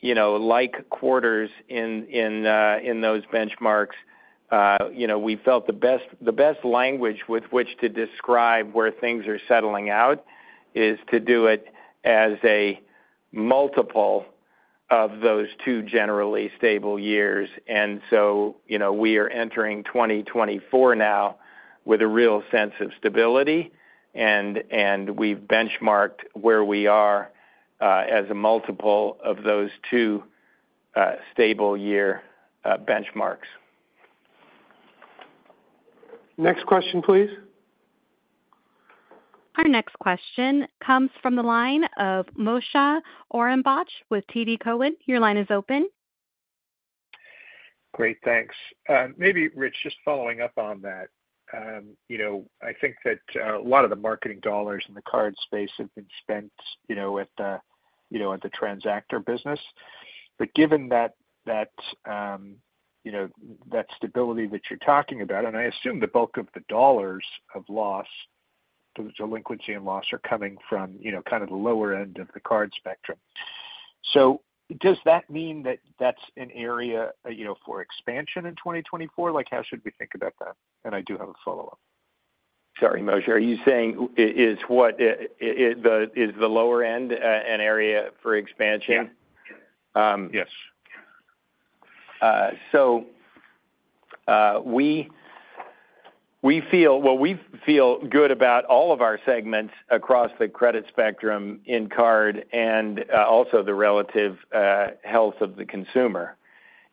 you know, like, quarters in those benchmarks, you know, we felt the best, the best language with which to describe where things are settling out is to do it as a multiple of those two generally stable years. So, you know, we are entering 2024 now with a real sense of stability, and, and we've benchmarked where we are, as a multiple of those two stable year benchmarks. Next question, please. Our next question comes from the line of Moshe Orenbuch with TD Cowen. Your line is open. Great, thanks. Maybe, Rich, just following up on that, you know, I think that a lot of the marketing dollars in the card space have been spent, you know, at the transactor business. But given that, you know, that stability that you're talking about, and I assume the bulk of the dollars of loss, the delinquency and loss are coming from, you know, kind of the lower end of the card spectrum. So does that mean that that's an area, you know, for expansion in 2024? Like, how should we think about that? And I do have a follow-up. Sorry, Moshe, are you saying is what is the lower end an area for expansion? Yeah. Yes. So, we feel—Well, we feel good about all of our segments across the credit spectrum in card and also the relative health of the consumer.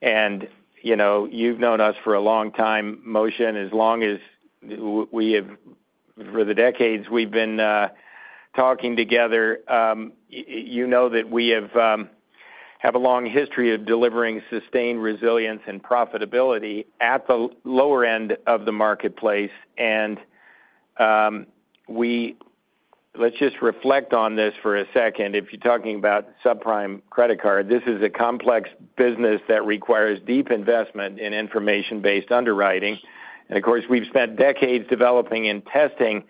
And, you know, you've known us for a long time, Moshe, and as long as we have, for the decades we've been talking together, you know that we have have a long history of delivering sustained resilience and profitability at the lower end of the marketplace. And, we—Let's just reflect on this for a second. If you're talking about subprime credit card, this is a complex business that requires deep investment in information-based underwriting. And of course, we've spent decades developing and testing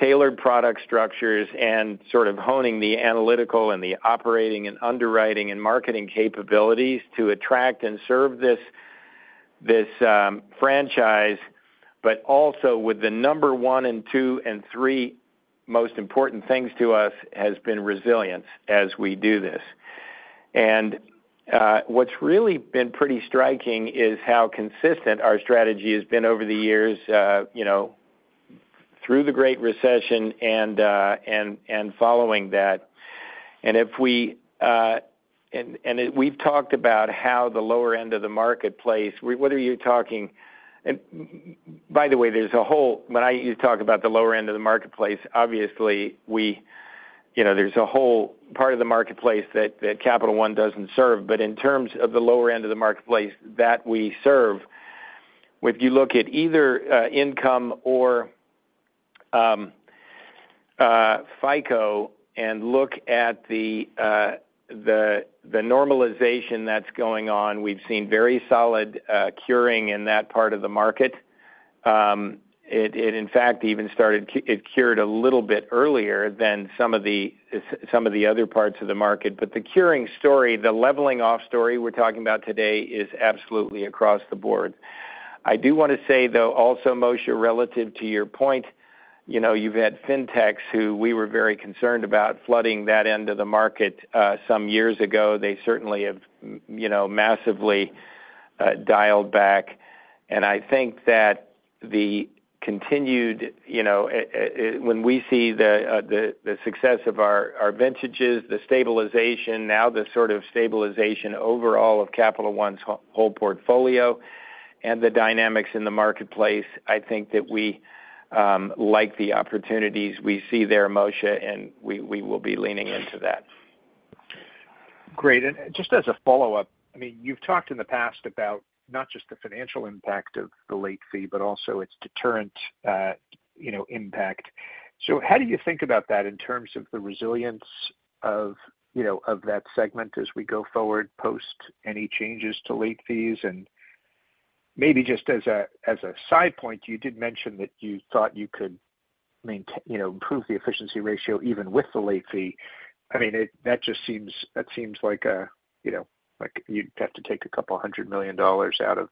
tailored product structures and sort of honing the analytical and the operating and underwriting and marketing capabilities to attract and serve this franchise, but also with the number one and two and three most important things to us has been resilience as we do this. And what's really been pretty striking is how consistent our strategy has been over the years, you know, through the Great Recession and following that. And we've talked about how the lower end of the marketplace. By the way, there's a whole. When you talk about the lower end of the marketplace, obviously, you know, there's a whole part of the marketplace that Capital One doesn't serve. But in terms of the lower end of the marketplace that we serve, if you look at either income or FICO and look at the normalization that's going on, we've seen very solid curing in that part of the market. It in fact even it cured a little bit earlier than some of the other parts of the market. But the curing story, the leveling off story we're talking about today, is absolutely across the board. I do want to say, though, also, Moshe, relative to your point, you know, you've had fintechs who we were very concerned about flooding that end of the market some years ago. They certainly have you know massively dialed back. And I think that the continued, you know, when we see the success of our vintages, the stabilization, now the sort of stabilization overall of Capital One's whole portfolio and the dynamics in the marketplace, I think that we like the opportunities we see there, Moshe, and we will be leaning into that. Great. And just as a follow-up, I mean, you've talked in the past about not just the financial impact of the late fee, but also its deterrent, you know, impact. So how do you think about that in terms of the resilience of, you know, of that segment as we go forward, post any changes to late fees? And maybe just as a, as a side point, you did mention that you thought you could maintain, you know, improve the efficiency ratio even with the late fee. I mean, that just seems, that seems like a, you know, like you'd have to take $200 million out of,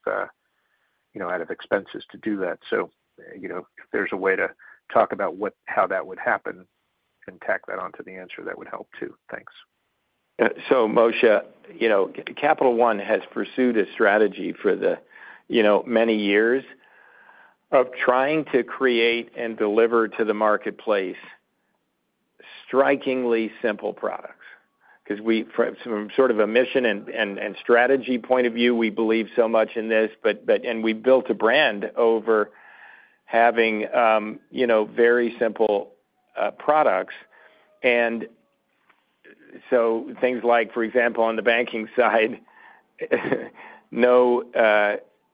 you know, out of expenses to do that. So, you know, if there's a way to talk about how that would happen and tack that onto the answer, that would help, too. Thanks. So Moshe, you know, Capital One has pursued a strategy for the, you know, many years of trying to create and deliver to the marketplace strikingly simple products. 'Cause we, from sort of a mission and strategy point of view, we believe so much in this, and we built a brand over having, you know, very simple products. And so things like, for example, on the banking side, no,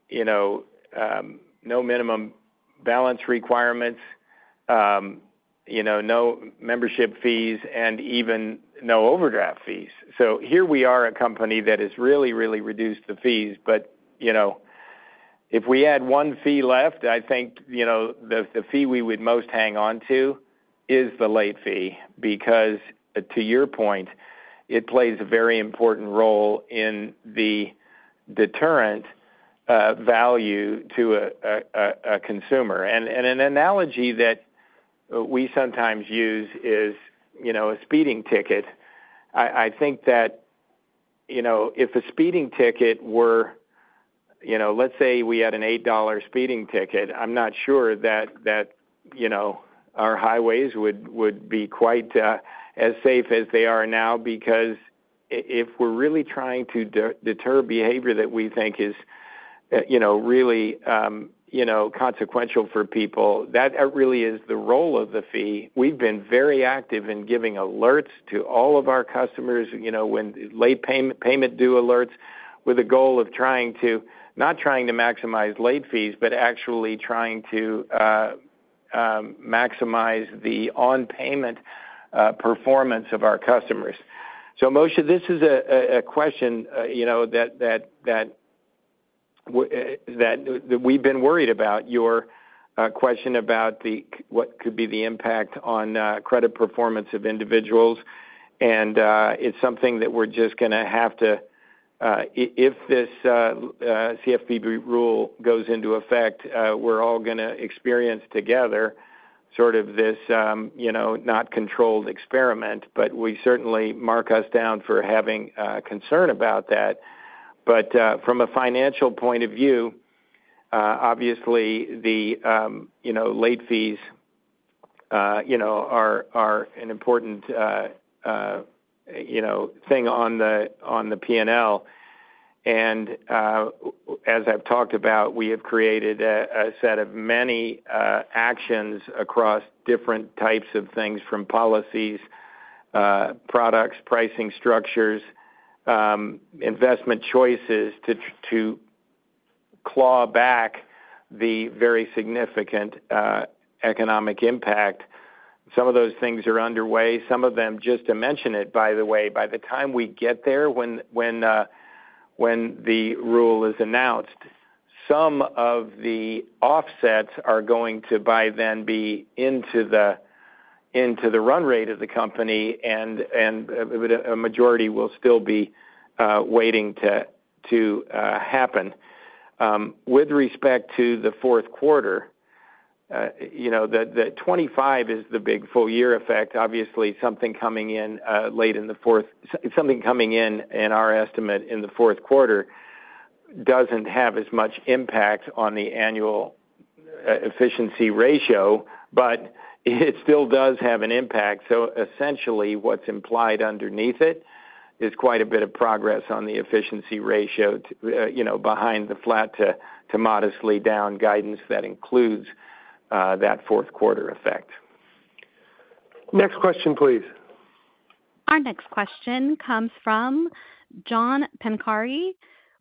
you know, no minimum balance requirements, you know, no membership fees, and even no overdraft fees. So here we are, a company that has really, really reduced the fees, but, you know, if we had one fee left, I think, you know, the, the fee we would most hang on to is the late fee, because, to your point, it plays a very important role in the deterrent value to a consumer. And an analogy that we sometimes use is, you know, a speeding ticket. I think that, you know, if a speeding ticket were, you know... let's say we had an $8 speeding ticket, I'm not sure that, you know, our highways would be quite as safe as they are now. Because if we're really trying to deter behavior that we think is, you know, really consequential for people, that really is the role of the fee. We've been very active in giving alerts to all of our customers, you know, when late payment, payment due alerts, with the goal of trying to, not trying to maximize late fees, but actually trying to maximize the on payment performance of our customers. So Moshe, this is a question, you know, that we've been worried about, your question about the what could be the impact on credit performance of individuals. And it's something that we're just gonna have to if this CFPB rule goes into effect, we're all gonna experience together sort of this, you know, not controlled experiment, but we certainly mark us down for having concern about that. But from a financial point of view, obviously the, you know, late fees, you know, are an important, you know, thing on the P&L. And as I've talked about, we have created a set of many actions across different types of things, from policies, products, pricing structures, investment choices, to claw back the very significant economic impact. Some of those things are underway, some of them, just to mention it, by the way, by the time we get there, when the rule is announced, some of the offsets are going to, by then, be into the run rate of the company, and but a majority will still be waiting to happen. With respect to the fourth quarter, you know, the... 25 is the big full year effect. Obviously, something coming in late in the fourth quarter, in our estimate, doesn't have as much impact on the annual efficiency ratio, but it still does have an impact. So essentially, what's implied underneath it is quite a bit of progress on the efficiency ratio, you know, behind the flat to modestly down guidance that includes that fourth quarter effect. Next question, please.... Our next question comes from John Pancari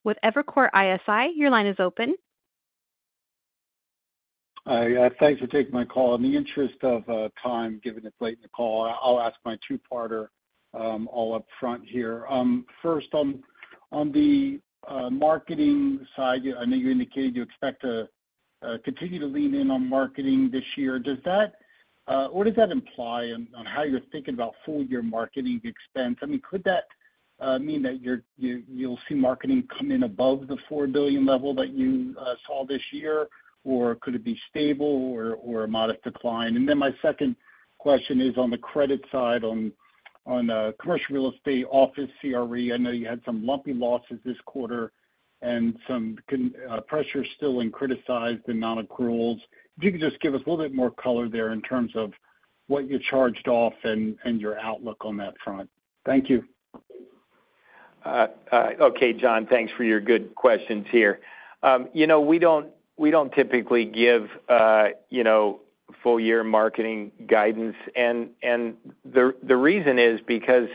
with Evercore ISI. Your line is open. Hi, thanks for taking my call. In the interest of time, given it's late in the call, I'll ask my two-parter all up front here. First on the marketing side, I know you indicated you expect to continue to lean in on marketing this year. What does that imply on how you're thinking about full-year marketing expense? I mean, could that mean that you'll see marketing come in above the $4 billion level that you saw this year? Or could it be stable or a modest decline? And then my second question is on the credit side, on commercial real estate, office CRE. I know you had some lumpy losses this quarter and some pressure still in criticized and non-accruals. If you could just give us a little bit more color there in terms of what you charged off and, and your outlook on that front. Thank you. Okay, John, thanks for your good questions here. You know, we don't, we don't typically give, you know, full-year marketing guidance. And the reason is because,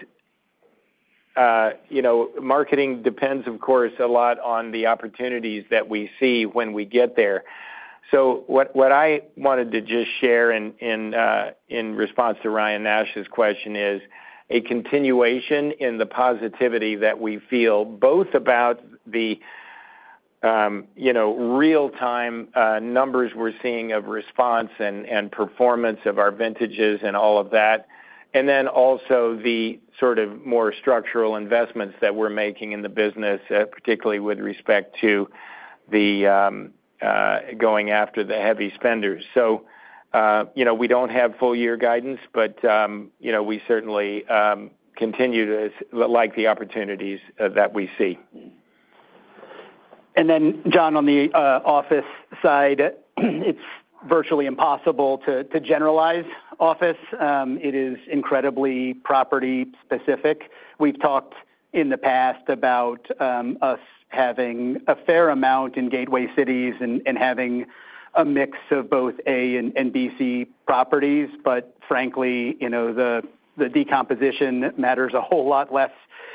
you know, marketing depends, of course, a lot on the opportunities that we see when we get there. So what I wanted to just share in response to Ryan Nash's question is, a continuation in the positivity that we feel both about the real-time numbers we're seeing of response and performance of our vintages and all of that, and then also the sort of more structural investments that we're making in the business, particularly with respect to going after the heavy spenders. So, you know, we don't have full year guidance, but, you know, we certainly continue to like the opportunities that we see. Then, John, on the office side, it's virtually impossible to generalize office. It is incredibly property-specific. We've talked in the past about us having a fair amount in gateway cities and having a mix of both A and B, C properties. But frankly, you know, the decomposition matters a whole lot less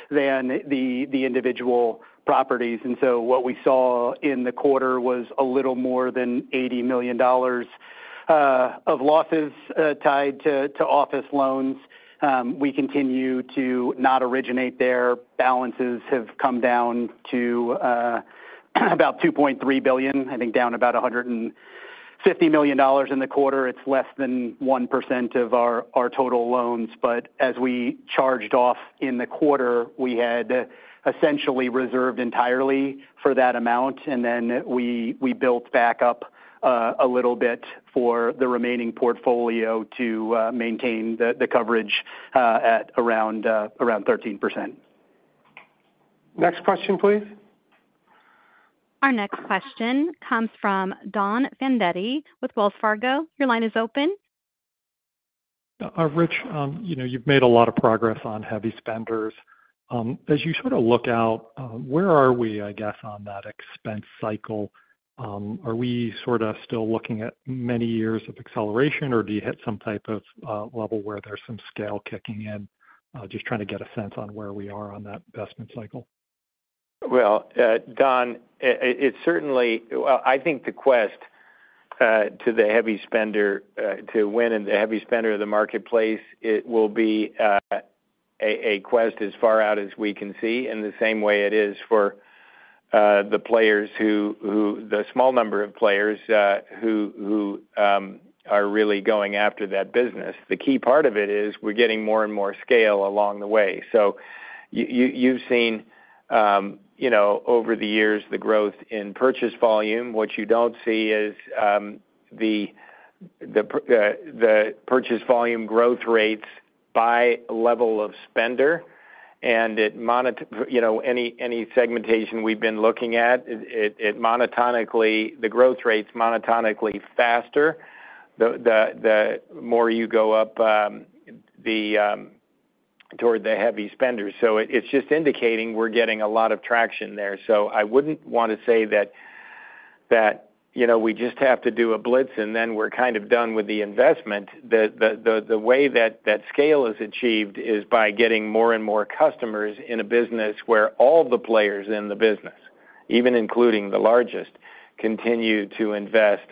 than the individual properties. And so what we saw in the quarter was a little more than $80 million of losses tied to office loans. We continue to not originate there. Balances have come down to about $2.3 billion, I think down about $150 million in the quarter. It's less than 1% of our total loans. But as we charged off in the quarter, we had essentially reserved entirely for that amount, and then we built back up a little bit for the remaining portfolio to maintain the coverage at around 13%. Next question, please. Our next question comes from Don Fandetti with Wells Fargo. Your line is open. Rich, you know, you've made a lot of progress on heavy spenders. As you sort of look out, where are we, I guess, on that expense cycle? Are we sort of still looking at many years of acceleration, or do you hit some type of level where there's some scale kicking in? Just trying to get a sense on where we are on that investment cycle. Well, Don, it's certainly. Well, I think the quest to the heavy spender to win in the heavy spender of the marketplace, it will be a quest as far out as we can see, in the same way it is for the players who the small number of players who are really going after that business. The key part of it is we're getting more and more scale along the way. So you've seen, you know, over the years, the growth in purchase volume. What you don't see is the purchase volume growth rates by level of spender, and it, you know, any segmentation we've been looking at, it monotonically, the growth rate's monotonically faster, the more you go up toward the heavy spenders. So it's just indicating we're getting a lot of traction there. So I wouldn't want to say that, you know, we just have to do a blitz and then we're kind of done with the investment. The way that scale is achieved is by getting more and more customers in a business where all the players in the business, even including the largest, continue to invest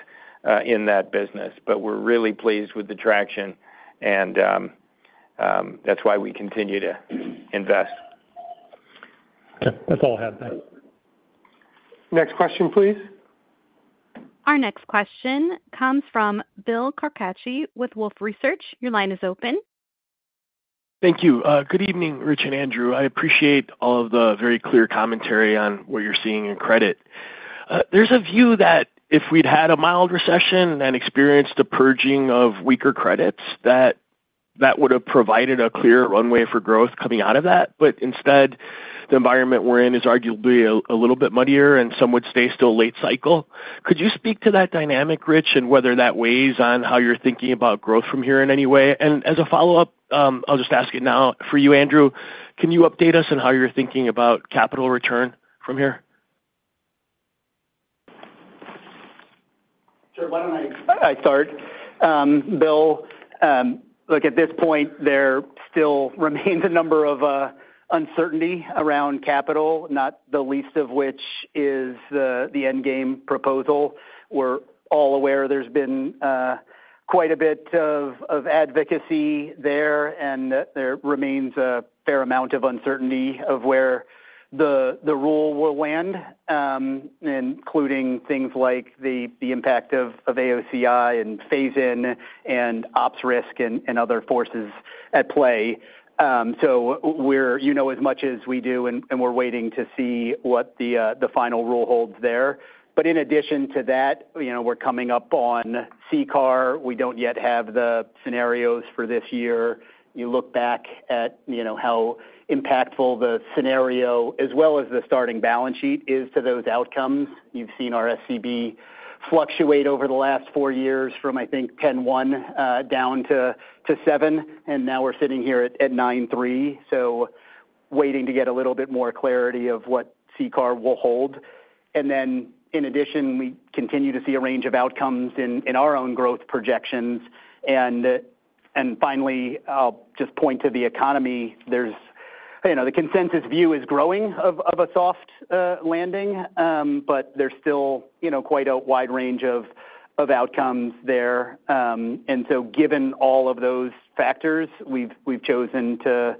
in that business. But we're really pleased with the traction, and that's why we continue to invest. Okay. That's all I have then. Next question, please. Our next question comes from Bill Carcache with Wolfe Research. Your line is open. Thank you. Good evening, Rich and Andrew. I appreciate all of the very clear commentary on what you're seeing in credit. There's a view that if we'd had a mild recession and experienced a purging of weaker credits, that that would have provided a clearer runway for growth coming out of that. But instead, the environment we're in is arguably a little bit muddier and some would say still late cycle. Could you speak to that dynamic, Rich, and whether that weighs on how you're thinking about growth from here in any way? And as a follow-up, I'll just ask it now for you, Andrew, can you update us on how you're thinking about capital return from here? Sure, why don't I start? Bill, look, at this point, there still remains a number of uncertainty around capital, not the least of which is the endgame proposal. We're all aware there's been quite a bit of advocacy there, and that there remains a fair amount of uncertainty of where the rule will land, including things like the impact of AOCI and phase in, and ops risk and other forces at play. So we're, you know as much as we do, and we're waiting to see what the final rule holds there. But in addition to that, you know, we're coming up on CCAR. We don't yet have the scenarios for this year. You look back at, you know, how impactful the scenario, as well as the starting balance sheet, is to those outcomes. You've seen our SCB fluctuate over the last four years from, I think, 10.1 down to seven, and now we're sitting here at 9.3. So waiting to get a little bit more clarity of what CCAR will hold. And then, in addition, we continue to see a range of outcomes in our own growth projections. And finally, I'll just point to the economy. There's, you know, the consensus view is growing of a soft landing, but there's still, you know, quite a wide range of outcomes there. And so given all of those factors, we've chosen to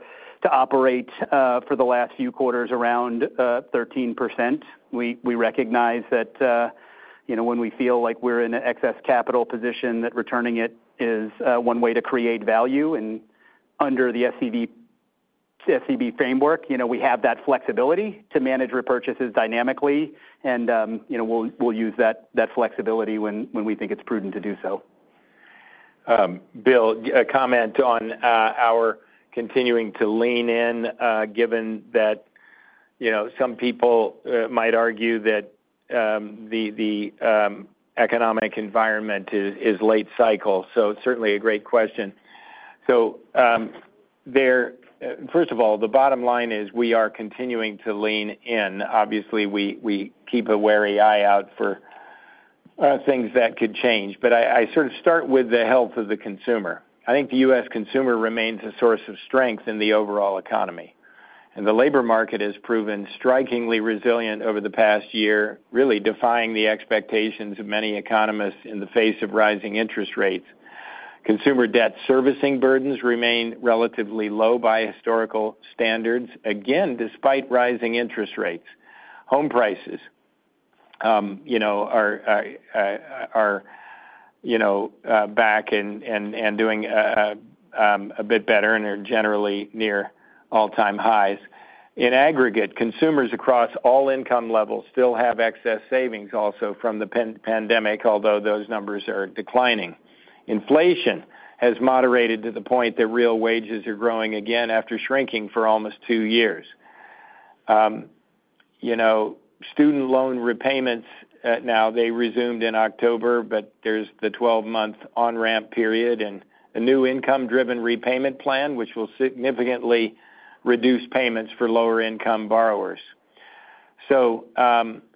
operate for the last few quarters around 13%. We recognize that, you know, when we feel like we're in an excess capital position, that returning it is one way to create value. And under the SCB framework, you know, we have that flexibility to manage repurchases dynamically, and we'll use that flexibility when we think it's prudent to do so. Bill, a comment on our continuing to lean in, given that, you know, some people might argue that the economic environment is late cycle, so it's certainly a great question. First of all, the bottom line is we are continuing to lean in. Obviously, we keep a wary eye out for things that could change, but I sort of start with the health of the consumer. I think the U.S. consumer remains a source of strength in the overall economy, and the labor market has proven strikingly resilient over the past year, really defying the expectations of many economists in the face of rising interest rates. Consumer debt servicing burdens remain relatively low by historical standards, again, despite rising interest rates. Home prices, you know, are back and doing a bit better, and they're generally near all-time highs. In aggregate, consumers across all income levels still have excess savings also from the pandemic, although those numbers are declining. Inflation has moderated to the point that real wages are growing again after shrinking for almost two years. You know, student loan repayments now, they resumed in October, but there's the 12-month on-ramp period and a new income-driven repayment plan, which will significantly reduce payments for lower-income borrowers. So,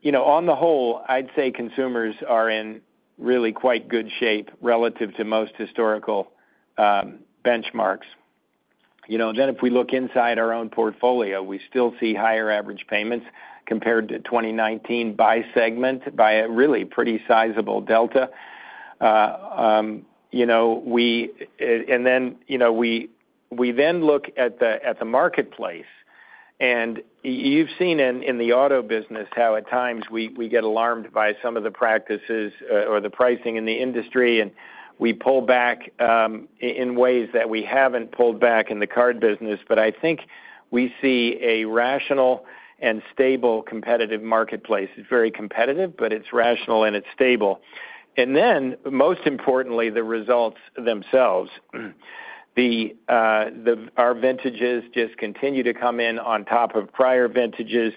you know, on the whole, I'd say consumers are in really quite good shape relative to most historical benchmarks. You know, then if we look inside our own portfolio, we still see higher average payments compared to 2019 by segment, by a really pretty sizable delta. You know, and then, you know, we then look at the marketplace, and you've seen in the auto business how at times we get alarmed by some of the practices or the pricing in the industry, and we pull back in ways that we haven't pulled back in the card business. But I think we see a rational and stable competitive marketplace. It's very competitive, but it's rational and it's stable. And then, most importantly, the results themselves. Our vintages just continue to come in on top of prior vintages.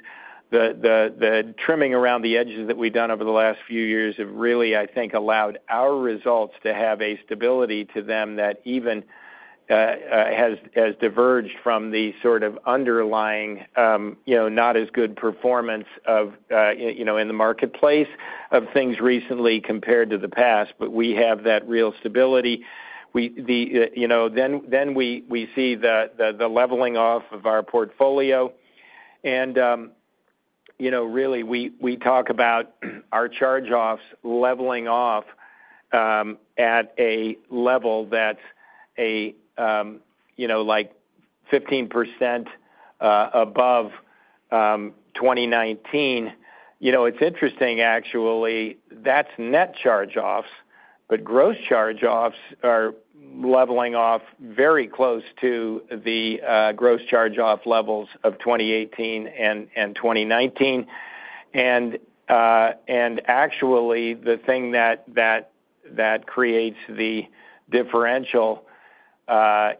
The trimming around the edges that we've done over the last few years have really, I think, allowed our results to have a stability to them that even has diverged from the sort of underlying, you know, not as good performance of, you know, in the marketplace of things recently compared to the past, but we have that real stability. We then see the leveling off of our portfolio. And, you know, really, we talk about our charge-offs leveling off, at a level that's like 15%, above 2019. You know, it's interesting, actually, that's net charge-offs, but gross charge-offs are leveling off very close to the gross charge-off levels of 2018 and 2019. Actually, the thing that creates the differential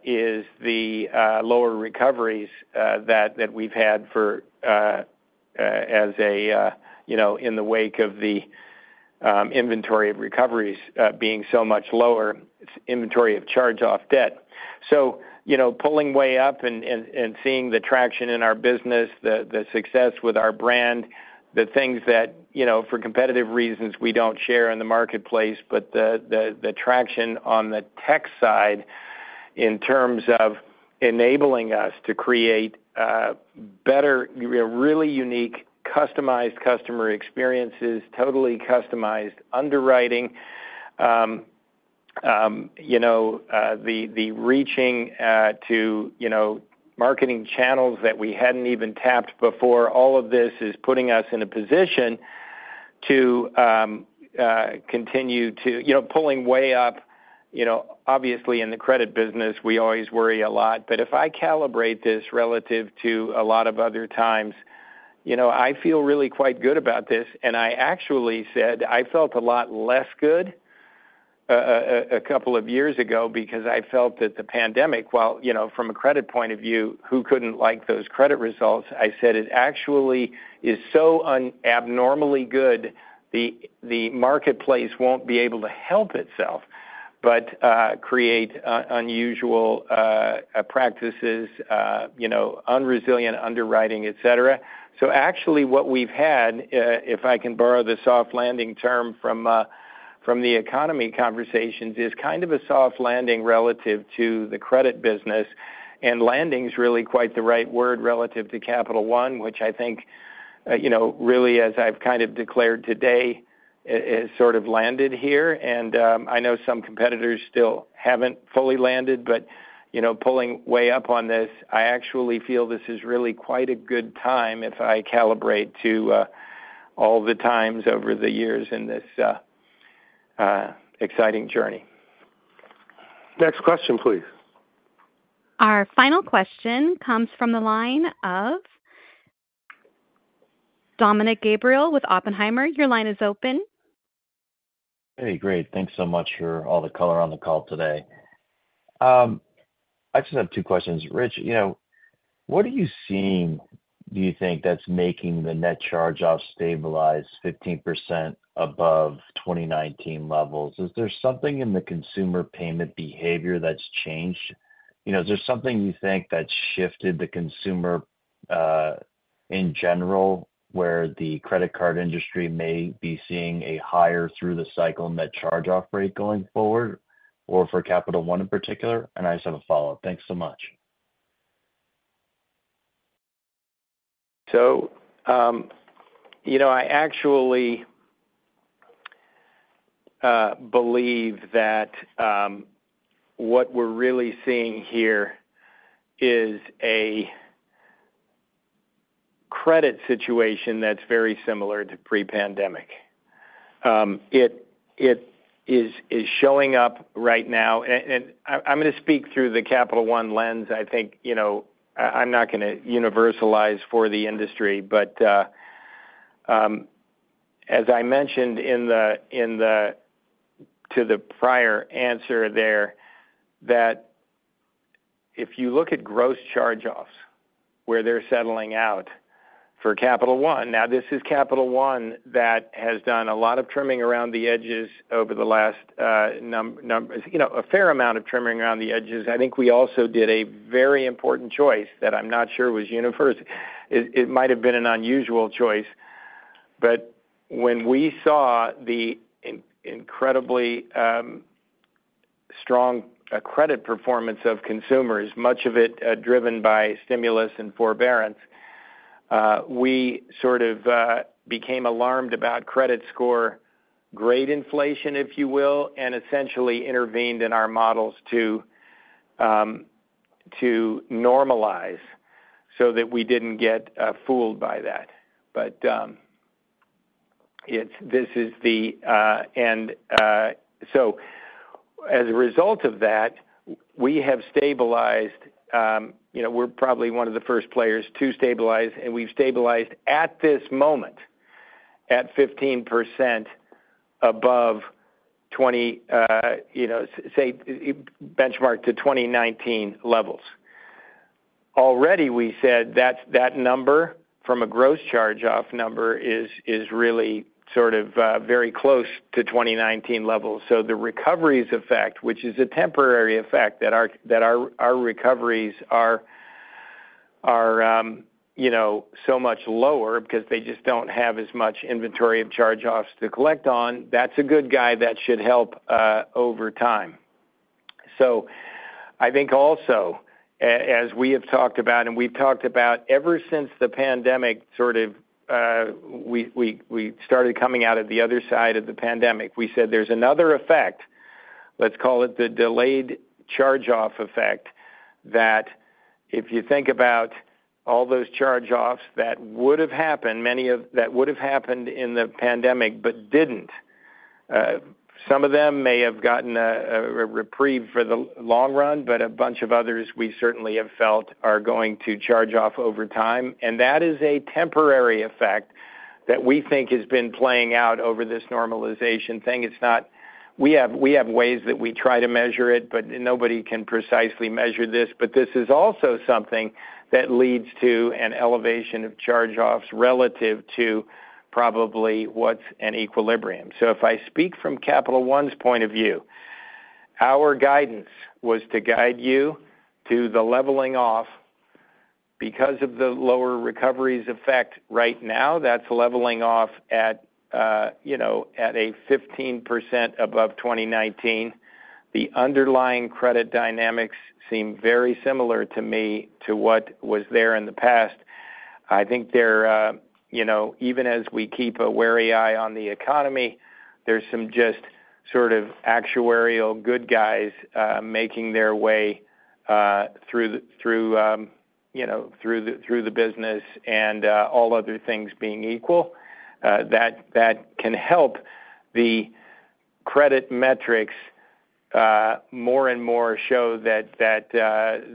is the lower recoveries that we've had, you know, in the wake of the inventory of recoveries being so much lower, inventory of charge-off debt. So, you know, pulling way up and seeing the traction in our business, the success with our brand, the things that, you know, for competitive reasons, we don't share in the marketplace, but the traction on the tech side... in terms of enabling us to create better, you know, really unique, customized customer experiences, totally customized underwriting. You know, the reaching to, you know, marketing channels that we hadn't even tapped before, all of this is putting us in a position to continue to—you know, pulling way up, you know, obviously, in the credit business, we always worry a lot. But if I calibrate this relative to a lot of other times, you know, I feel really quite good about this, and I actually said I felt a lot less good a couple of years ago because I felt that the pandemic, while, you know, from a credit point of view, who couldn't like those credit results? I said it actually is so unabnormally good, the marketplace won't be able to help itself, but create unusual practices, you know, unresilient underwriting, et cetera. So actually, what we've had, if I can borrow the soft landing term from, from the economy conversations, is kind of a soft landing relative to the credit business, and landing's really quite the right word relative to Capital One, which I think, you know, really, as I've kind of declared today, it sort of landed here. I know some competitors still haven't fully landed, but, you know, pulling way up on this, I actually feel this is really quite a good time if I calibrate to, all the times over the years in this, exciting journey. Next question, please. Our final question comes from the line of Dominick Gabriele with Oppenheimer. Your line is open. Hey, great. Thanks so much for all the color on the call today. I just have two questions. Rich, you know, what are you seeing, do you think, that's making the net charge-off stabilize 15% above 2019 levels? Is there something in the consumer payment behavior that's changed? You know, is there something you think that's shifted the consumer, in general, where the credit card industry may be seeing a higher through the cycle net charge-off rate going forward, or for Capital One in particular? I just have a follow-up. Thanks so much. You know, I actually believe that what we're really seeing here is a credit situation that's very similar to pre-pandemic. It is showing up right now. And I'm gonna speak through the Capital One lens. I think, you know, I'm not gonna universalize for the industry, but as I mentioned in the prior answer there, that if you look at gross charge-offs, where they're settling out for Capital One, now this is Capital One that has done a lot of trimming around the edges over the last. You know, a fair amount of trimming around the edges. I think we also did a very important choice that I'm not sure was universal. It might have been an unusual choice, but when we saw the incredibly strong credit performance of consumers, much of it driven by stimulus and forbearance, we sort of became alarmed about credit score grade inflation, if you will, and essentially intervened in our models to normalize so that we didn't get fooled by that. But it's... this is the... So as a result of that, we have stabilized, you know, we're probably one of the first players to stabilize, and we've stabilized at this moment at 15% above 20, you know, say, benchmark to 2019 levels. Already, we said that, that number, from a gross charge-off number is really sort of very close to 2019 levels. So the recoveries effect, which is a temporary effect that our recoveries are so much lower because they just don't have as much inventory of charge-offs to collect on, that's a good thing that should help over time. So I think also, as we have talked about, and we've talked about ever since the pandemic, sort of, we started coming out of the other side of the pandemic, we said there's another effect, let's call it the delayed charge-off effect, that if you think about all those charge-offs that would have happened, many that would have happened in the pandemic but didn't, some of them may have gotten a reprieve for the long run, but a bunch of others we certainly have felt are going to charge off over time. That is a temporary effect that we think has been playing out over this normalization thing. It's not... We have, we have ways that we try to measure it, but nobody can precisely measure this. But this is also something that leads to an elevation of charge-offs relative to probably what's an equilibrium. So if I speak from Capital One's point of view, our guidance was to guide you to the leveling off. Because of the lower recoveries effect right now, that's leveling off at, you know, at a 15% above 2019. The underlying credit dynamics seem very similar to me, to what was there in the past. I think they're, you know, even as we keep a wary eye on the economy, there's some just sort of actuarial good guys making their way through the business and all other things being equal, that can help the credit metrics more and more show that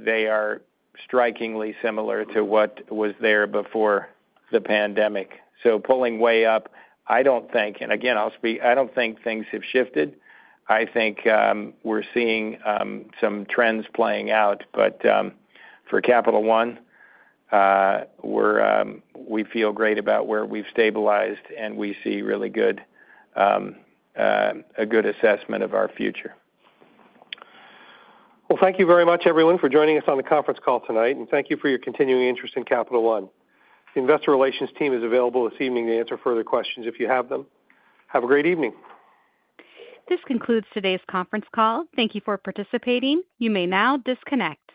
they are strikingly similar to what was there before the pandemic. So pulling way up, I don't think, and again, I'll speak. I don't think things have shifted. I think we're seeing some trends playing out, but for Capital One, we feel great about where we've stabilized, and we see really good a good assessment of our future. Well, thank you very much, everyone, for joining us on the conference call tonight, and thank you for your continuing interest in Capital One. The investor relations team is available this evening to answer further questions if you have them. Have a great evening. This concludes today's conference call. Thank you for participating. You may now disconnect.